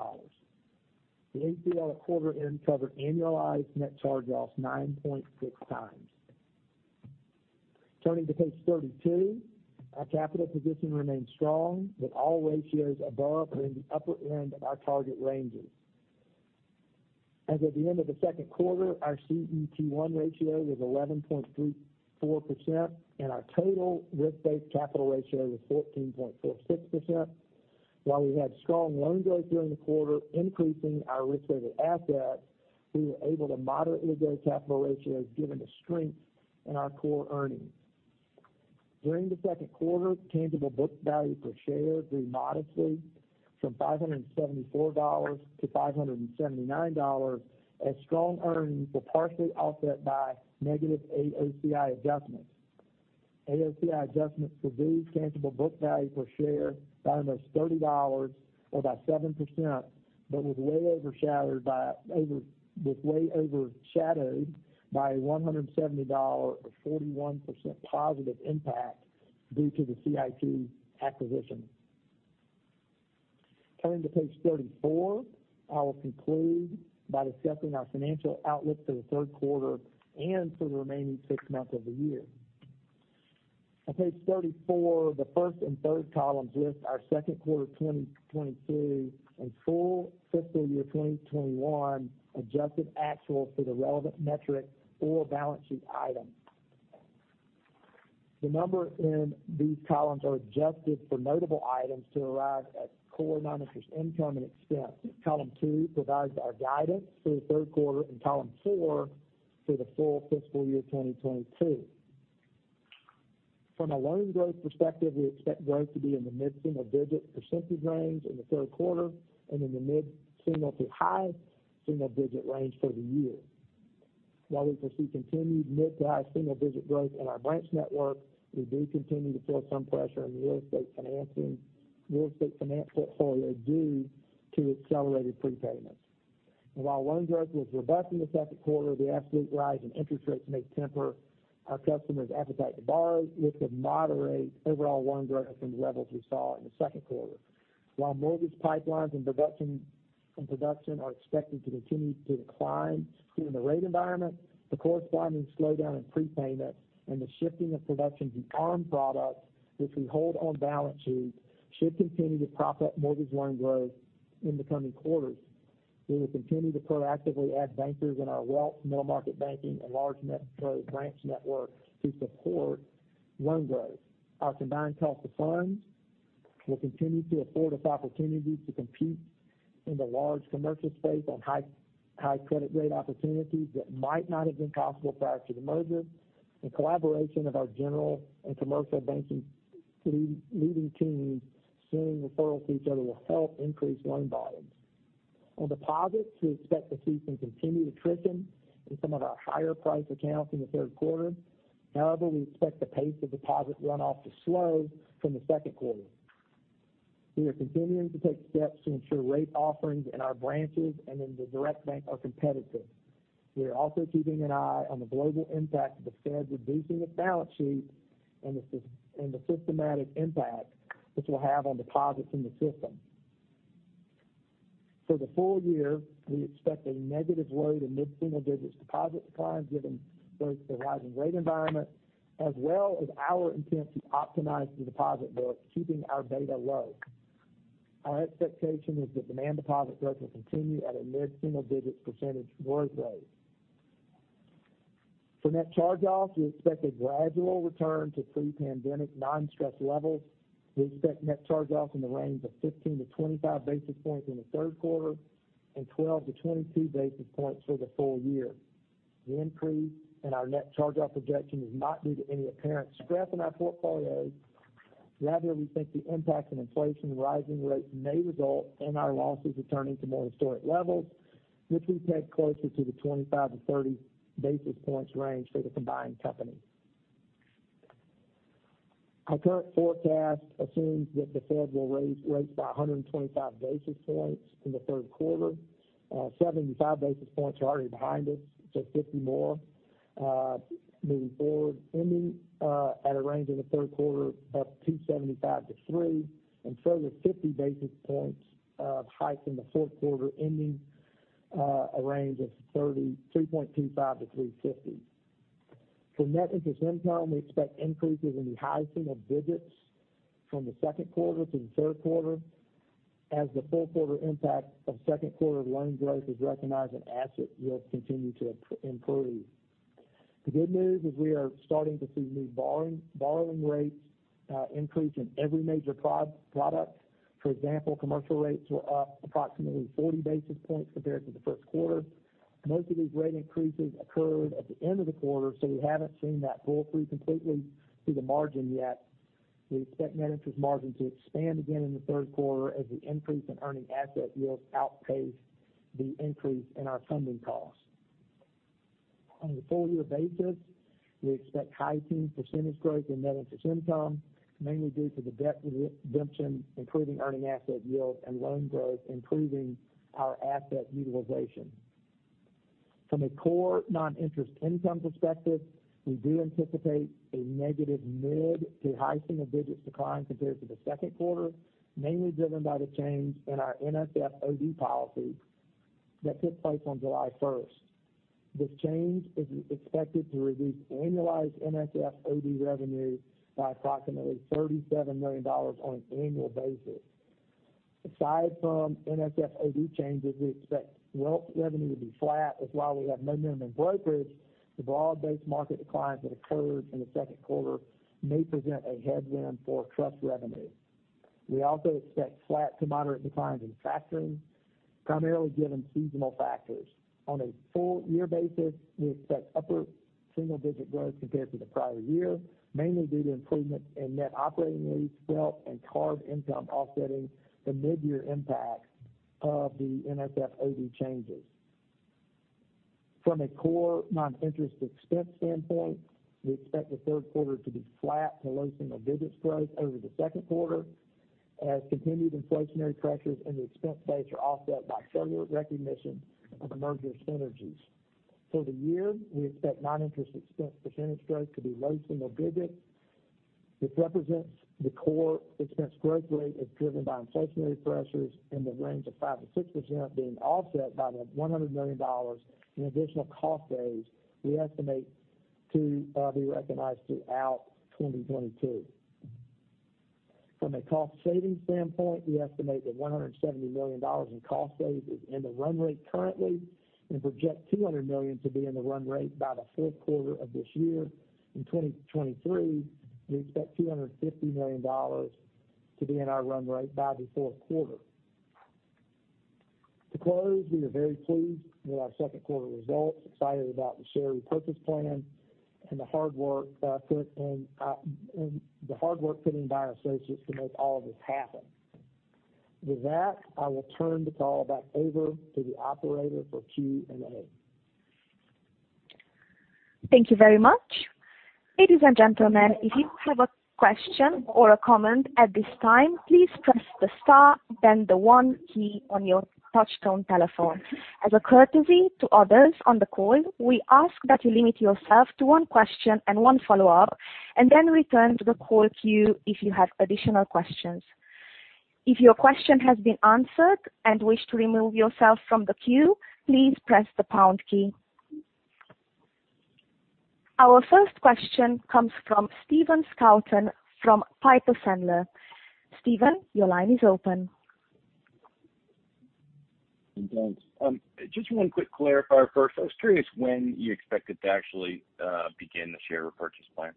[SPEAKER 6] The ACL at quarter end covered annualized net charge-offs 9.6x. Turning to page 32. Our capital position remains strong, with all ratios above or in the upper end of our target ranges. As of the end of the second quarter, our CET1 ratio was 11.34% and our total risk-based capital ratio was 14.46%. While we had strong loan growth during the quarter increasing our risk rated assets, we were able to moderately grow capital ratios given the strength in our core earnings. During the second quarter, tangible book value per share grew modestly from $574 to $579 as strong earnings were partially offset by negative AOCI adjustments. AOCI adjustments reduced tangible book value per share by almost $30 or by 7%, but was way overshadowed by a $170 or 41% positive impact due to the CIT acquisition. Turning to page 34. I will conclude by discussing our financial outlook for the third quarter and for the remaining six months of the year. On page 34, the first and third columns list our second quarter 2022 and full fiscal year 2021 adjusted actuals for the relevant metric or balance sheet item. The numbers in these columns are adjusted for notable items to arrive at core non-interest income and expense. Column two provides our guidance for the third quarter and column four for the full fiscal year 2022. From a loan growth perspective, we expect growth to be in the mid-single-digit percentage range in the third quarter and in the mid- to high-single-digit range for the year. While we foresee continued mid- to high-single-digit growth in our branch network, we do continue to feel some pressure in the real estate finance portfolio due to accelerated prepayments. While loan growth was robust in the second quarter, the absolute rise in interest rates may temper our customers' appetite to borrow, which could moderate overall loan growth from the levels we saw in the second quarter. While mortgage pipelines and production are expected to continue to decline given the rate environment, the corresponding slowdown in prepayment and the shifting of production to ARM products, which we hold on balance sheet, should continue to prop up mortgage loan growth in the coming quarters. We will continue to proactively add bankers in our wealth middle market banking and large net worth branch network to support loan growth. Our combined cost of funds will continue to afford us opportunities to compete in the large commercial space on high credit rate opportunities that might not have been possible prior to the merger. The collaboration of our general and commercial banking leading teams sharing referrals to each other will help increase loan volumes. On deposits, we expect to see some continued attrition in some of our higher price accounts in the third quarter. However, we expect the pace of deposit runoff to slow from the second quarter. We are continuing to take steps to ensure rate offerings in our branches and in the direct bank are competitive. We are also keeping an eye on the global impact of the Fed reducing its balance sheet and the systematic impact this will have on deposits in the system. For the full year, we expect a negative low to mid single digits deposit decline given both the rising rate environment as well as our intent to optimize the deposit book, keeping our beta low. Our expectation is that demand deposit growth will continue at a mid single digits percentage growth rate. For net charge-offs, we expect a gradual return to pre-pandemic non-stress levels. We expect net charge offs in the range of 15-25 basis points in the third quarter and 12-22 basis points for the full year. The increase in our net charge off projection is not due to any apparent stress in our portfolio. Rather, we think the impact of inflation and rising rates may result in our losses returning to more historic levels, which we peg closer to the 25-30 basis points range for the combined company. Our current forecast assumes that the Fed will raise rates by 125 basis points in the third quarter. 75 basis points are already behind us, so 50 more moving forward, ending at a range in the third quarter of 275 to 300 and further 50 basis points of hike in the fourth quarter, ending a range of 325 to 350. For net interest income, we expect increases in the high single digits from the second quarter to the third quarter as the full quarter impact of second quarter loan growth is recognized and asset yield continue to improve. The good news is we are starting to see new borrowing rates increase in every major product. For example, commercial rates were up approximately 40 basis points compared to the first quarter. Most of these rate increases occurred at the end of the quarter, so we haven't seen that pull through completely to the margin yet. We expect net interest margin to expand again in the third quarter as the increase in earning asset yields outpace the increase in our funding costs. On a full year basis, we expect high teens percentage growth in net interest income, mainly due to the debt redemption, improving earning asset yield and loan growth, improving our asset utilization. From a core non-interest income perspective, we do anticipate a negative mid- to high single digits decline compared to the second quarter, mainly driven by the change in our NSF/OD policy that took place on July 1st. This change is expected to reduce annualized NSF/OD revenue by approximately $37 million on an annual basis. Aside from NSF/OD changes, we expect wealth revenue to be flat as while we have momentum in brokerage, the broad-based market declines that occurred in the second quarter may present a headwind for trust revenue. We also expect flat to moderate declines in factoring, primarily given seasonal factors. On a full year basis, we expect upper single digit growth compared to the prior year, mainly due to improvement in net operating lease, wealth and card income offsetting the mid-year impact of the NSF/OD changes. From a core non-interest expense standpoint, we expect the third quarter to be flat to low single digits growth over the second quarter as continued inflationary pressures in the expense base are offset by further recognition of merger synergies. For the year, we expect non-interest expense percentage growth to be low single digit, which represents the core expense growth rate is driven by inflationary pressures in the range of 5%-6% being offset by the $100 million in additional cost savings we estimate to be recognized throughout 2022. From a cost savings standpoint, we estimate that $170 million in cost savings is in the run rate currently and project $200 million to be in the run rate by the fourth quarter of this year. In 2023, we expect $250 million to be in our run rate by the fourth quarter. To close, we are very pleased with our second quarter results, excited about the share repurchase plan and the hard work put in by our associates to make all of this happen. With that, I will turn the call back over to the operator for Q&A.
[SPEAKER 1] Thank you very much. Ladies and gentlemen, if you have a question or a comment at this time, please press the star then the one key on your touchtone telephone. As a courtesy to others on the call, we ask that you limit yourself to one question and one follow-up, and then return to the call queue if you have additional questions. If your question has been answered and wish to remove yourself from the queue, please press the pound key. Our first question comes from Stephen Scouten from Piper Sandler. Stephen, your line is open.
[SPEAKER 7] Thanks. Just one quick clarifier first. I was curious when you expected to actually begin the share repurchase plan.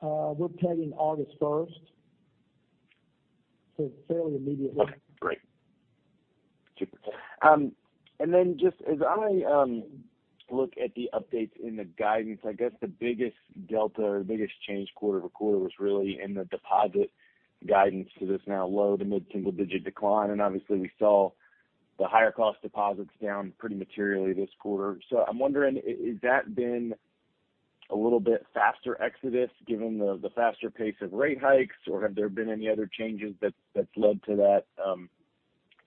[SPEAKER 6] We're planning August 1st. Fairly immediately.
[SPEAKER 7] Okay, great. Super. Just as I look at the updates in the guidance, I guess the biggest delta or biggest change quarter-to-quarter was really in the deposit guidance to this now low to mid-single digit decline. Obviously we saw the higher cost deposits down pretty materially this quarter. I'm wondering, has that been a little bit faster exodus given the faster pace of rate hikes? Have there been any other changes that that's led to that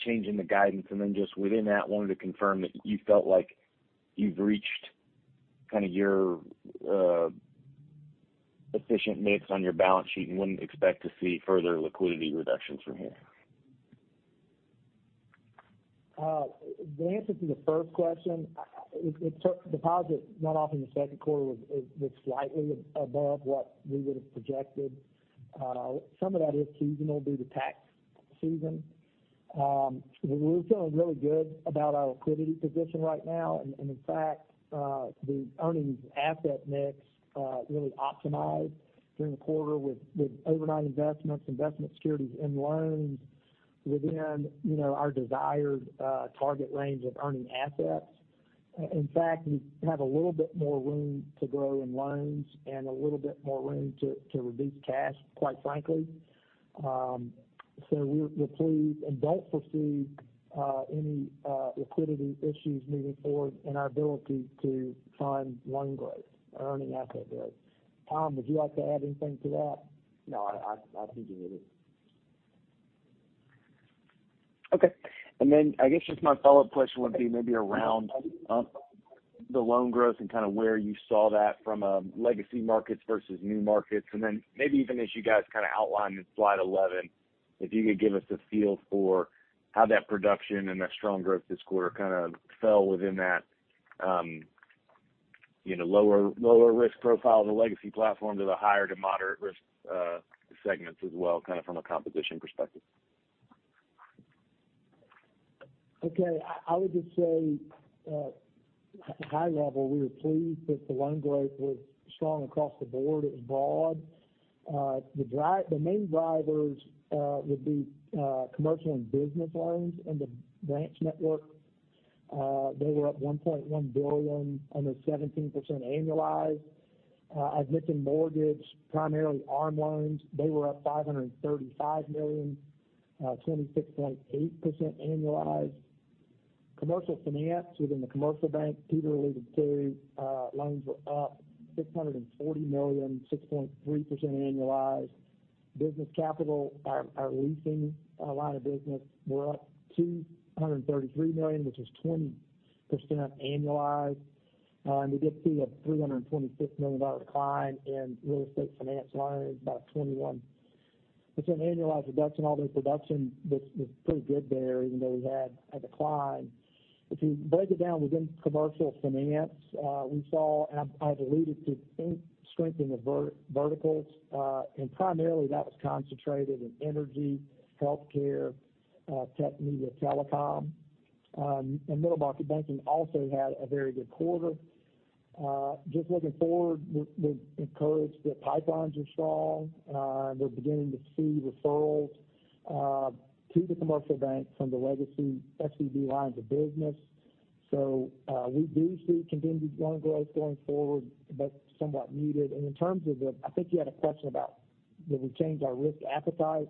[SPEAKER 7] change in the guidance? Just within that, wanted to confirm that you felt like you've reached kind of your efficient mix on your balance sheet and wouldn't expect to see further liquidity reductions from here.
[SPEAKER 6] The answer to the first question, deposit run-off in the second quarter was slightly above what we would've projected. Some of that is seasonal due to tax season. We're feeling really good about our liquidity position right now. In fact, the earnings asset mix really optimized during the quarter with overnight investments, investment securities and loans within, you know, our desired target range of earning assets. In fact, we have a little bit more room to grow in loans and a little bit more room to reduce cash, quite frankly. We're pleased and don't foresee any liquidity issues moving forward in our ability to fund loan growth or earning asset growth. Tom, would you like to add anything to that?
[SPEAKER 3] No, I think you hit it.
[SPEAKER 7] Okay. I guess just my follow-up question would be maybe around the loan growth and kind of where you saw that from a legacy markets versus new markets. Maybe even as you guys kind of outlined in slide 11, if you could give us a feel for how that production and that strong growth this quarter kind of fell within that you know lower risk profile of the legacy platform to the higher to moderate risk segments as well, kind of from a composition perspective.
[SPEAKER 6] I would just say, high level, we were pleased that the loan growth was strong across the board. It was broad. The main drivers would be commercial and business loans in the branch network. They were up $1.1 billion on a 17% annualized. Residential mortgage, primarily ARM loans, they were up $535 million, 26.8% annualized. Commercial finance within the commercial bank, Peter alluded to, loans were up $640 million, 6.3% annualized. Business capital, our leasing line of business were up $233 million, which is 20% annualized. You did see a $326 million decline in real estate finance loans, about 21% annualized reduction. Although production was pretty good there even though we had a decline. If you break it down within commercial finance, we saw, and I've alluded to strengthening verticals, and primarily that was concentrated in energy, healthcare, tech, media, telecom. Middle market banking also had a very good quarter. Just looking forward, we're encouraged that pipelines are strong, and we're beginning to see referrals to the commercial bank from the legacy SVB lines of business. We do see continued loan growth going forward, but somewhat muted. In terms of the, I think you had a question about did we change our risk appetite?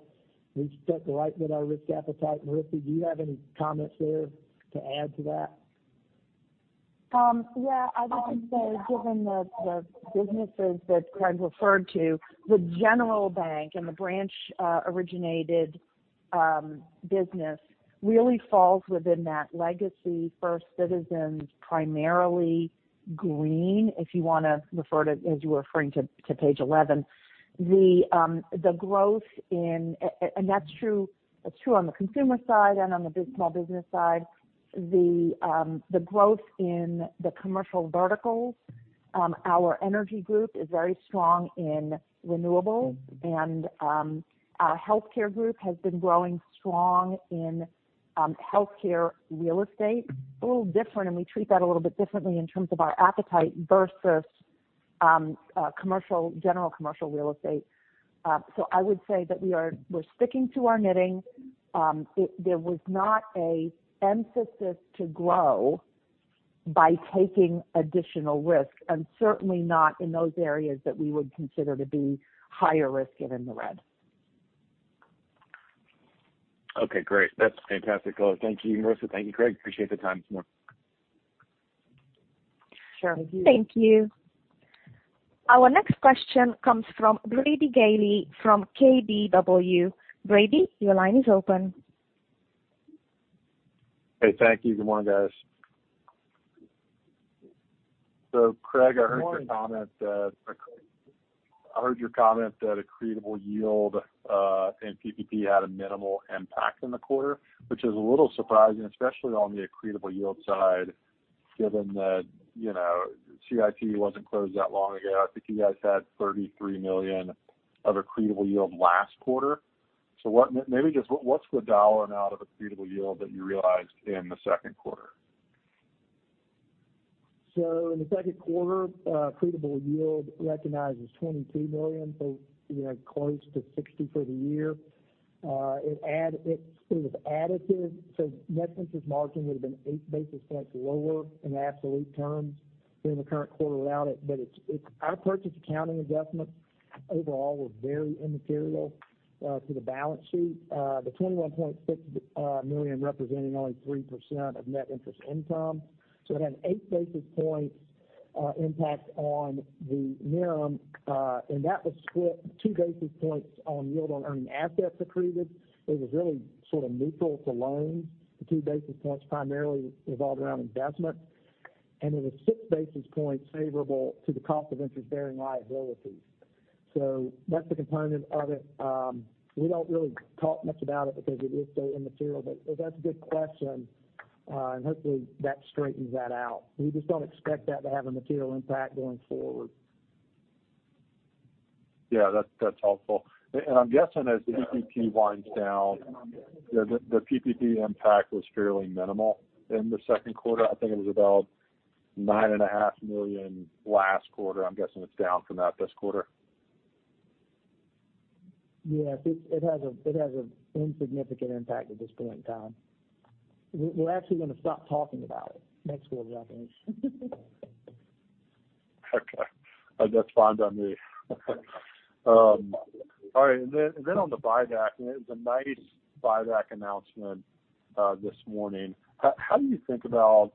[SPEAKER 6] We've stuck right with our risk appetite. Marisa, do you have any comments there to add to that?
[SPEAKER 5] Yeah, I would just say given the businesses that Craig referred to, the general bank and the branch-originated business really falls within that legacy First Citizens primarily green, if you wanna refer to, as you were referring to page 11. The growth in, and that's true on the consumer side and on the small business side. The growth in the commercial verticals, our energy group is very strong in renewables.
[SPEAKER 6] Mm-hmm.
[SPEAKER 5] Our healthcare group has been growing strong in healthcare real estate. A little different, and we treat that a little bit differently in terms of our appetite versus commercial, general commercial real estate. I would say that we're sticking to our knitting. There was not a emphasis to grow by taking additional risk, and certainly not in those areas that we would consider to be higher risk and in the red.
[SPEAKER 7] Okay, great. That's fantastic color. Thank you, Marisa. Thank you, Craig. Appreciate the time this morning.
[SPEAKER 5] Sure. Thank you.
[SPEAKER 6] Thank you.
[SPEAKER 1] Our next question comes from Brady Gailey from KBW. Brady, your line is open.
[SPEAKER 8] Hey, thank you. Good morning, guys. Craig, I heard-
[SPEAKER 6] Good morning.
[SPEAKER 8] I heard your comment that accretable yield and PPP had a minimal impact in the quarter, which is a little surprising, especially on the accretable yield side, given that, you know, CIT wasn't closed that long ago. I think you guys had $33 million of accretable yield last quarter. Maybe just what's the dollar amount of accretable yield that you realized in the second quarter?
[SPEAKER 6] In the second quarter, accretable yield recognized $22 million, you know, close to 60 for the year. It was additive. Net interest margin would've been 8 basis points lower in absolute terms during the current quarter without it, but it's our purchase accounting adjustment overall was very immaterial to the balance sheet. The $21.6 million representing only 3% of net interest income. It had 8 basis points impact on the NIM, and that was split 2 basis points on yield on earning assets accreted. It was really sort of neutral to loans. The 2 basis points primarily revolved around investment. It was 6 basis points favorable to the cost of interest-bearing liabilities. That's the component of it. We don't really talk much about it because it is so immaterial, but that's a good question. Hopefully that straightens that out. We just don't expect that to have a material impact going forward.
[SPEAKER 8] Yeah, that's helpful. And I'm guessing as the PPP winds down, the PPP impact was fairly minimal in the second quarter. I think it was about $9.5 million last quarter. I'm guessing it's down from that this quarter.
[SPEAKER 6] Yes, it has a insignificant impact at this point in time. We're actually gonna stop talking about it next quarter, I think.
[SPEAKER 8] Okay. That's fine by me. All right. On the buyback, it was a nice buyback announcement this morning. How do you think about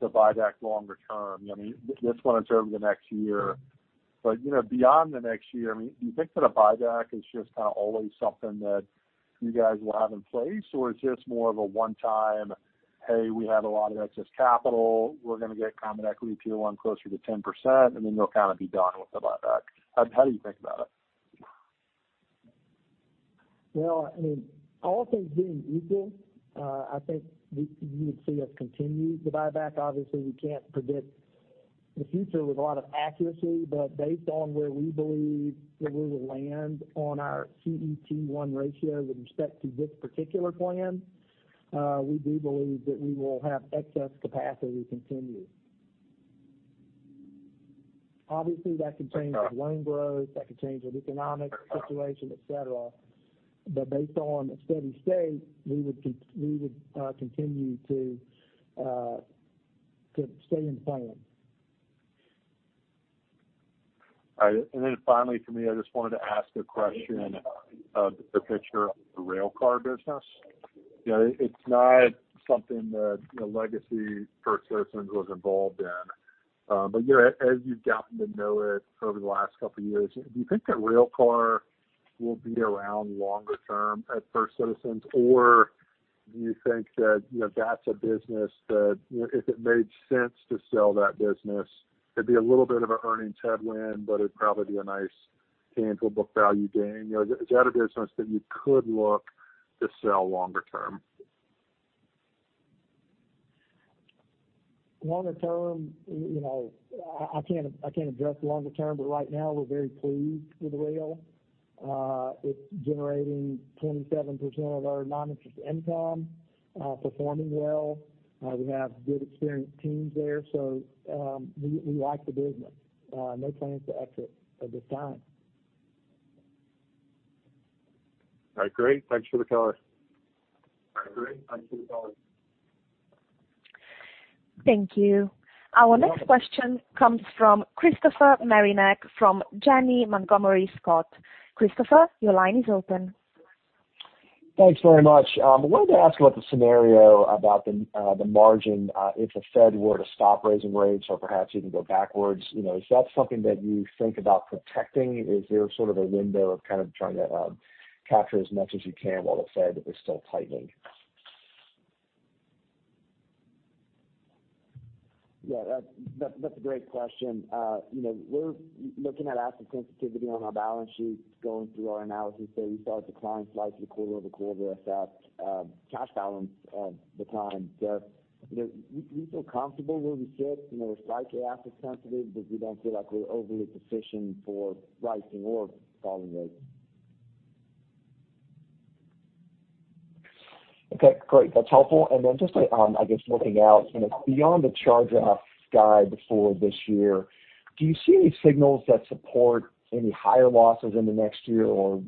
[SPEAKER 8] the buyback longer term? I mean, this one is over the next year. You know, beyond the next year, I mean, do you think that a buyback is just kind of always something that you guys will have in place, or it's just more of a one-time, "Hey, we have a lot of excess capital. We're gonna get common equity tier one closer to 10%," and then you'll kind of be done with the buyback? How do you think about it?
[SPEAKER 6] I mean, all things being equal, I think you would see us continue the buyback. Obviously, we can't predict the future with a lot of accuracy. Based on where we believe that we will land on our CET1 ratio with respect to this particular plan, we do believe that we will have excess capacity to continue. Obviously, that can change with loan growth, that can change with economic situation, et cetera. Based on a steady state, we would continue to stay in plan.
[SPEAKER 8] All right. Finally, for me, I just wanted to ask a question about the future of the rail car business. You know, it's not something that, you know, legacy First Citizens was involved in. But, you know, as you've gotten to know it over the last couple years, do you think that rail car will be around longer term at First Citizens? Or do you think that, you know, that's a business that, you know, if it made sense to sell that business, it'd be a little bit of a earnings headwind, but it'd probably be a nice tangible book value gain. You know, is that a business that you could look to sell longer term?
[SPEAKER 6] Longer term, you know, I can't address longer term, but right now we're very pleased with rail. It's generating 27% of our non-interest income, performing well. We have good experienced teams there, so we like the business. No plans to exit at this time.
[SPEAKER 8] All right, great. Thanks for the color.
[SPEAKER 1] Thank you.
[SPEAKER 6] You're welcome.
[SPEAKER 1] Our next question comes from Christopher Marinac from Janney Montgomery Scott. Christopher, your line is open.
[SPEAKER 9] Thanks very much. Wanted to ask about the scenario about the margin, if the Fed were to stop raising rates or perhaps even go backwards. You know, is that something that you think about protecting? Is there sort of a window of kind of trying to capture as much as you can while the Fed is still tightening?
[SPEAKER 6] Yeah, that's a great question. You know, we're looking at asset sensitivity on our balance sheet, going through our analysis there. We saw a decline slightly quarter-over-quarter effect of cash balance, decline. You know, we feel comfortable where we sit. You know, we're slightly asset sensitive, but we don't feel like we're overly positioned for rising or falling rates.
[SPEAKER 9] Okay, great. That's helpful. Just, I guess looking out, you know, beyond the charge-off guide for this year, do you see any signals that support any higher losses into next year? Or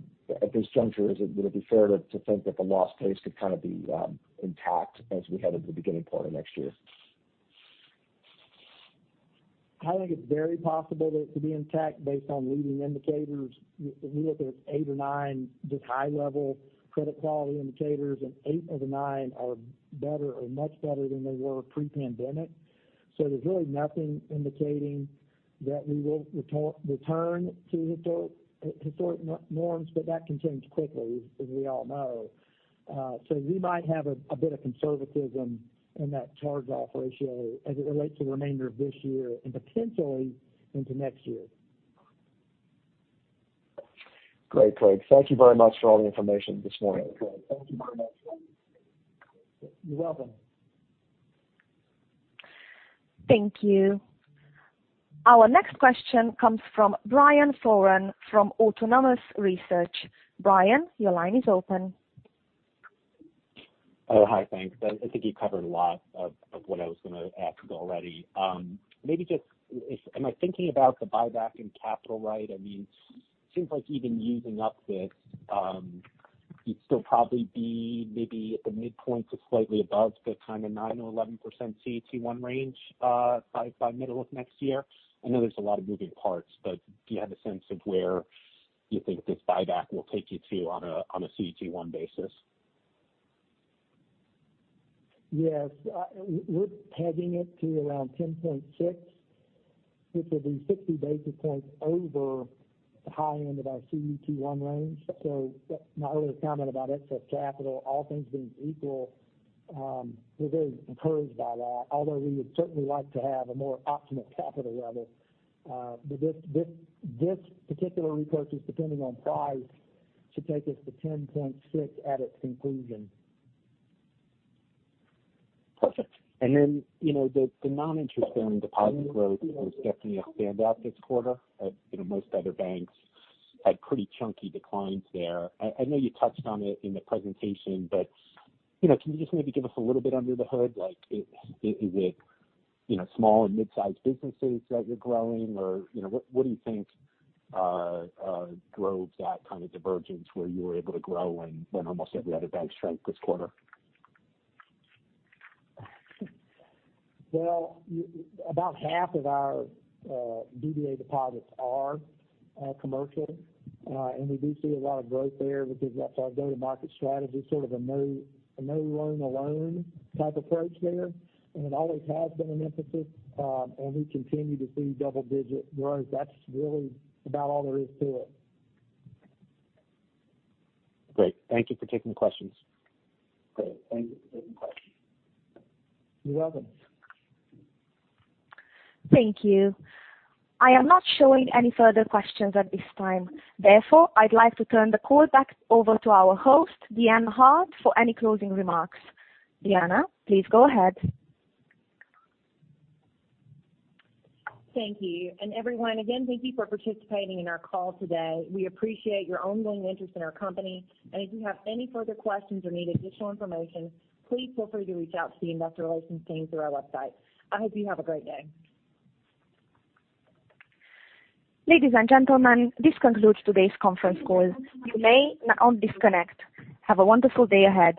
[SPEAKER 9] at this juncture, would it be fair to think that the loss pace could kind of be intact as we head into the beginning part of next year?
[SPEAKER 6] I think it's very possible that it could be intact based on leading indicators. We look at eight or nine just high level credit quality indicators, and eight of the nine are better or much better than they were pre-pandemic. There's really nothing indicating that we will return to historic norms, but that can change quickly as we all know. We might have a bit of conservatism in that charge-off ratio as it relates to the remainder of this year and potentially into next year.
[SPEAKER 9] Great, Craig. Thank you very much for all the information this morning.
[SPEAKER 1] Thank you. Our next question comes from Brian Foran from Autonomous Research. Brian, your line is open.
[SPEAKER 10] Oh, hi. Thanks. I think you covered a lot of what I was gonna ask already. Maybe just am I thinking about the buyback and capital right? I mean, seems like even using up this, you'd still probably be maybe at the midpoint to slightly above the kind of 9% or 11% CET1 range, by middle of next year. I know there's a lot of moving parts, but do you have a sense of where you think this buyback will take you to on a CET1 basis?
[SPEAKER 6] Yes. We're pegging it to around 10.6, which will be 60 basis points over the high end of our CET1 range. My earlier comment about excess capital, all things being equal, we're very encouraged by that, although we would certainly like to have a more optimal capital level. This particular repurchase, depending on price, should take us to 10.6 at its conclusion.
[SPEAKER 10] Perfect. You know, the non-interest bearing deposit growth was definitely a standout this quarter. You know, most other banks had pretty chunky declines there. I know you touched on it in the presentation, but you know, can you just maybe give us a little bit under the hood? Like, is it, you know, small and mid-sized businesses that you're growing or, you know, what do you think drove that kind of divergence where you were able to grow when almost every other bank shrank this quarter?
[SPEAKER 6] Well, about half of our DDA deposits are commercial. We do see a lot of growth there because that's our go-to-market strategy, sort of a no loan alone type approach there. It always has been an emphasis, and we continue to see double digit growth. That's really about all there is to it.
[SPEAKER 10] Great. Thank you for taking the questions. Great. Thank you for taking the questions.
[SPEAKER 6] You're welcome.
[SPEAKER 1] Thank you. I am not showing any further questions at this time. Therefore, I'd like to turn the call back over to our host, Deanna Hart, for any closing remarks. Deanna, please go ahead.
[SPEAKER 2] Thank you. Everyone, again, thank you for participating in our call today. We appreciate your ongoing interest in our company. If you have any further questions or need additional information, please feel free to reach out to the Investor Relations team through our website. I hope you have a great day.
[SPEAKER 1] Ladies and gentlemen, this concludes today's conference call. You may now disconnect. Have a wonderful day ahead.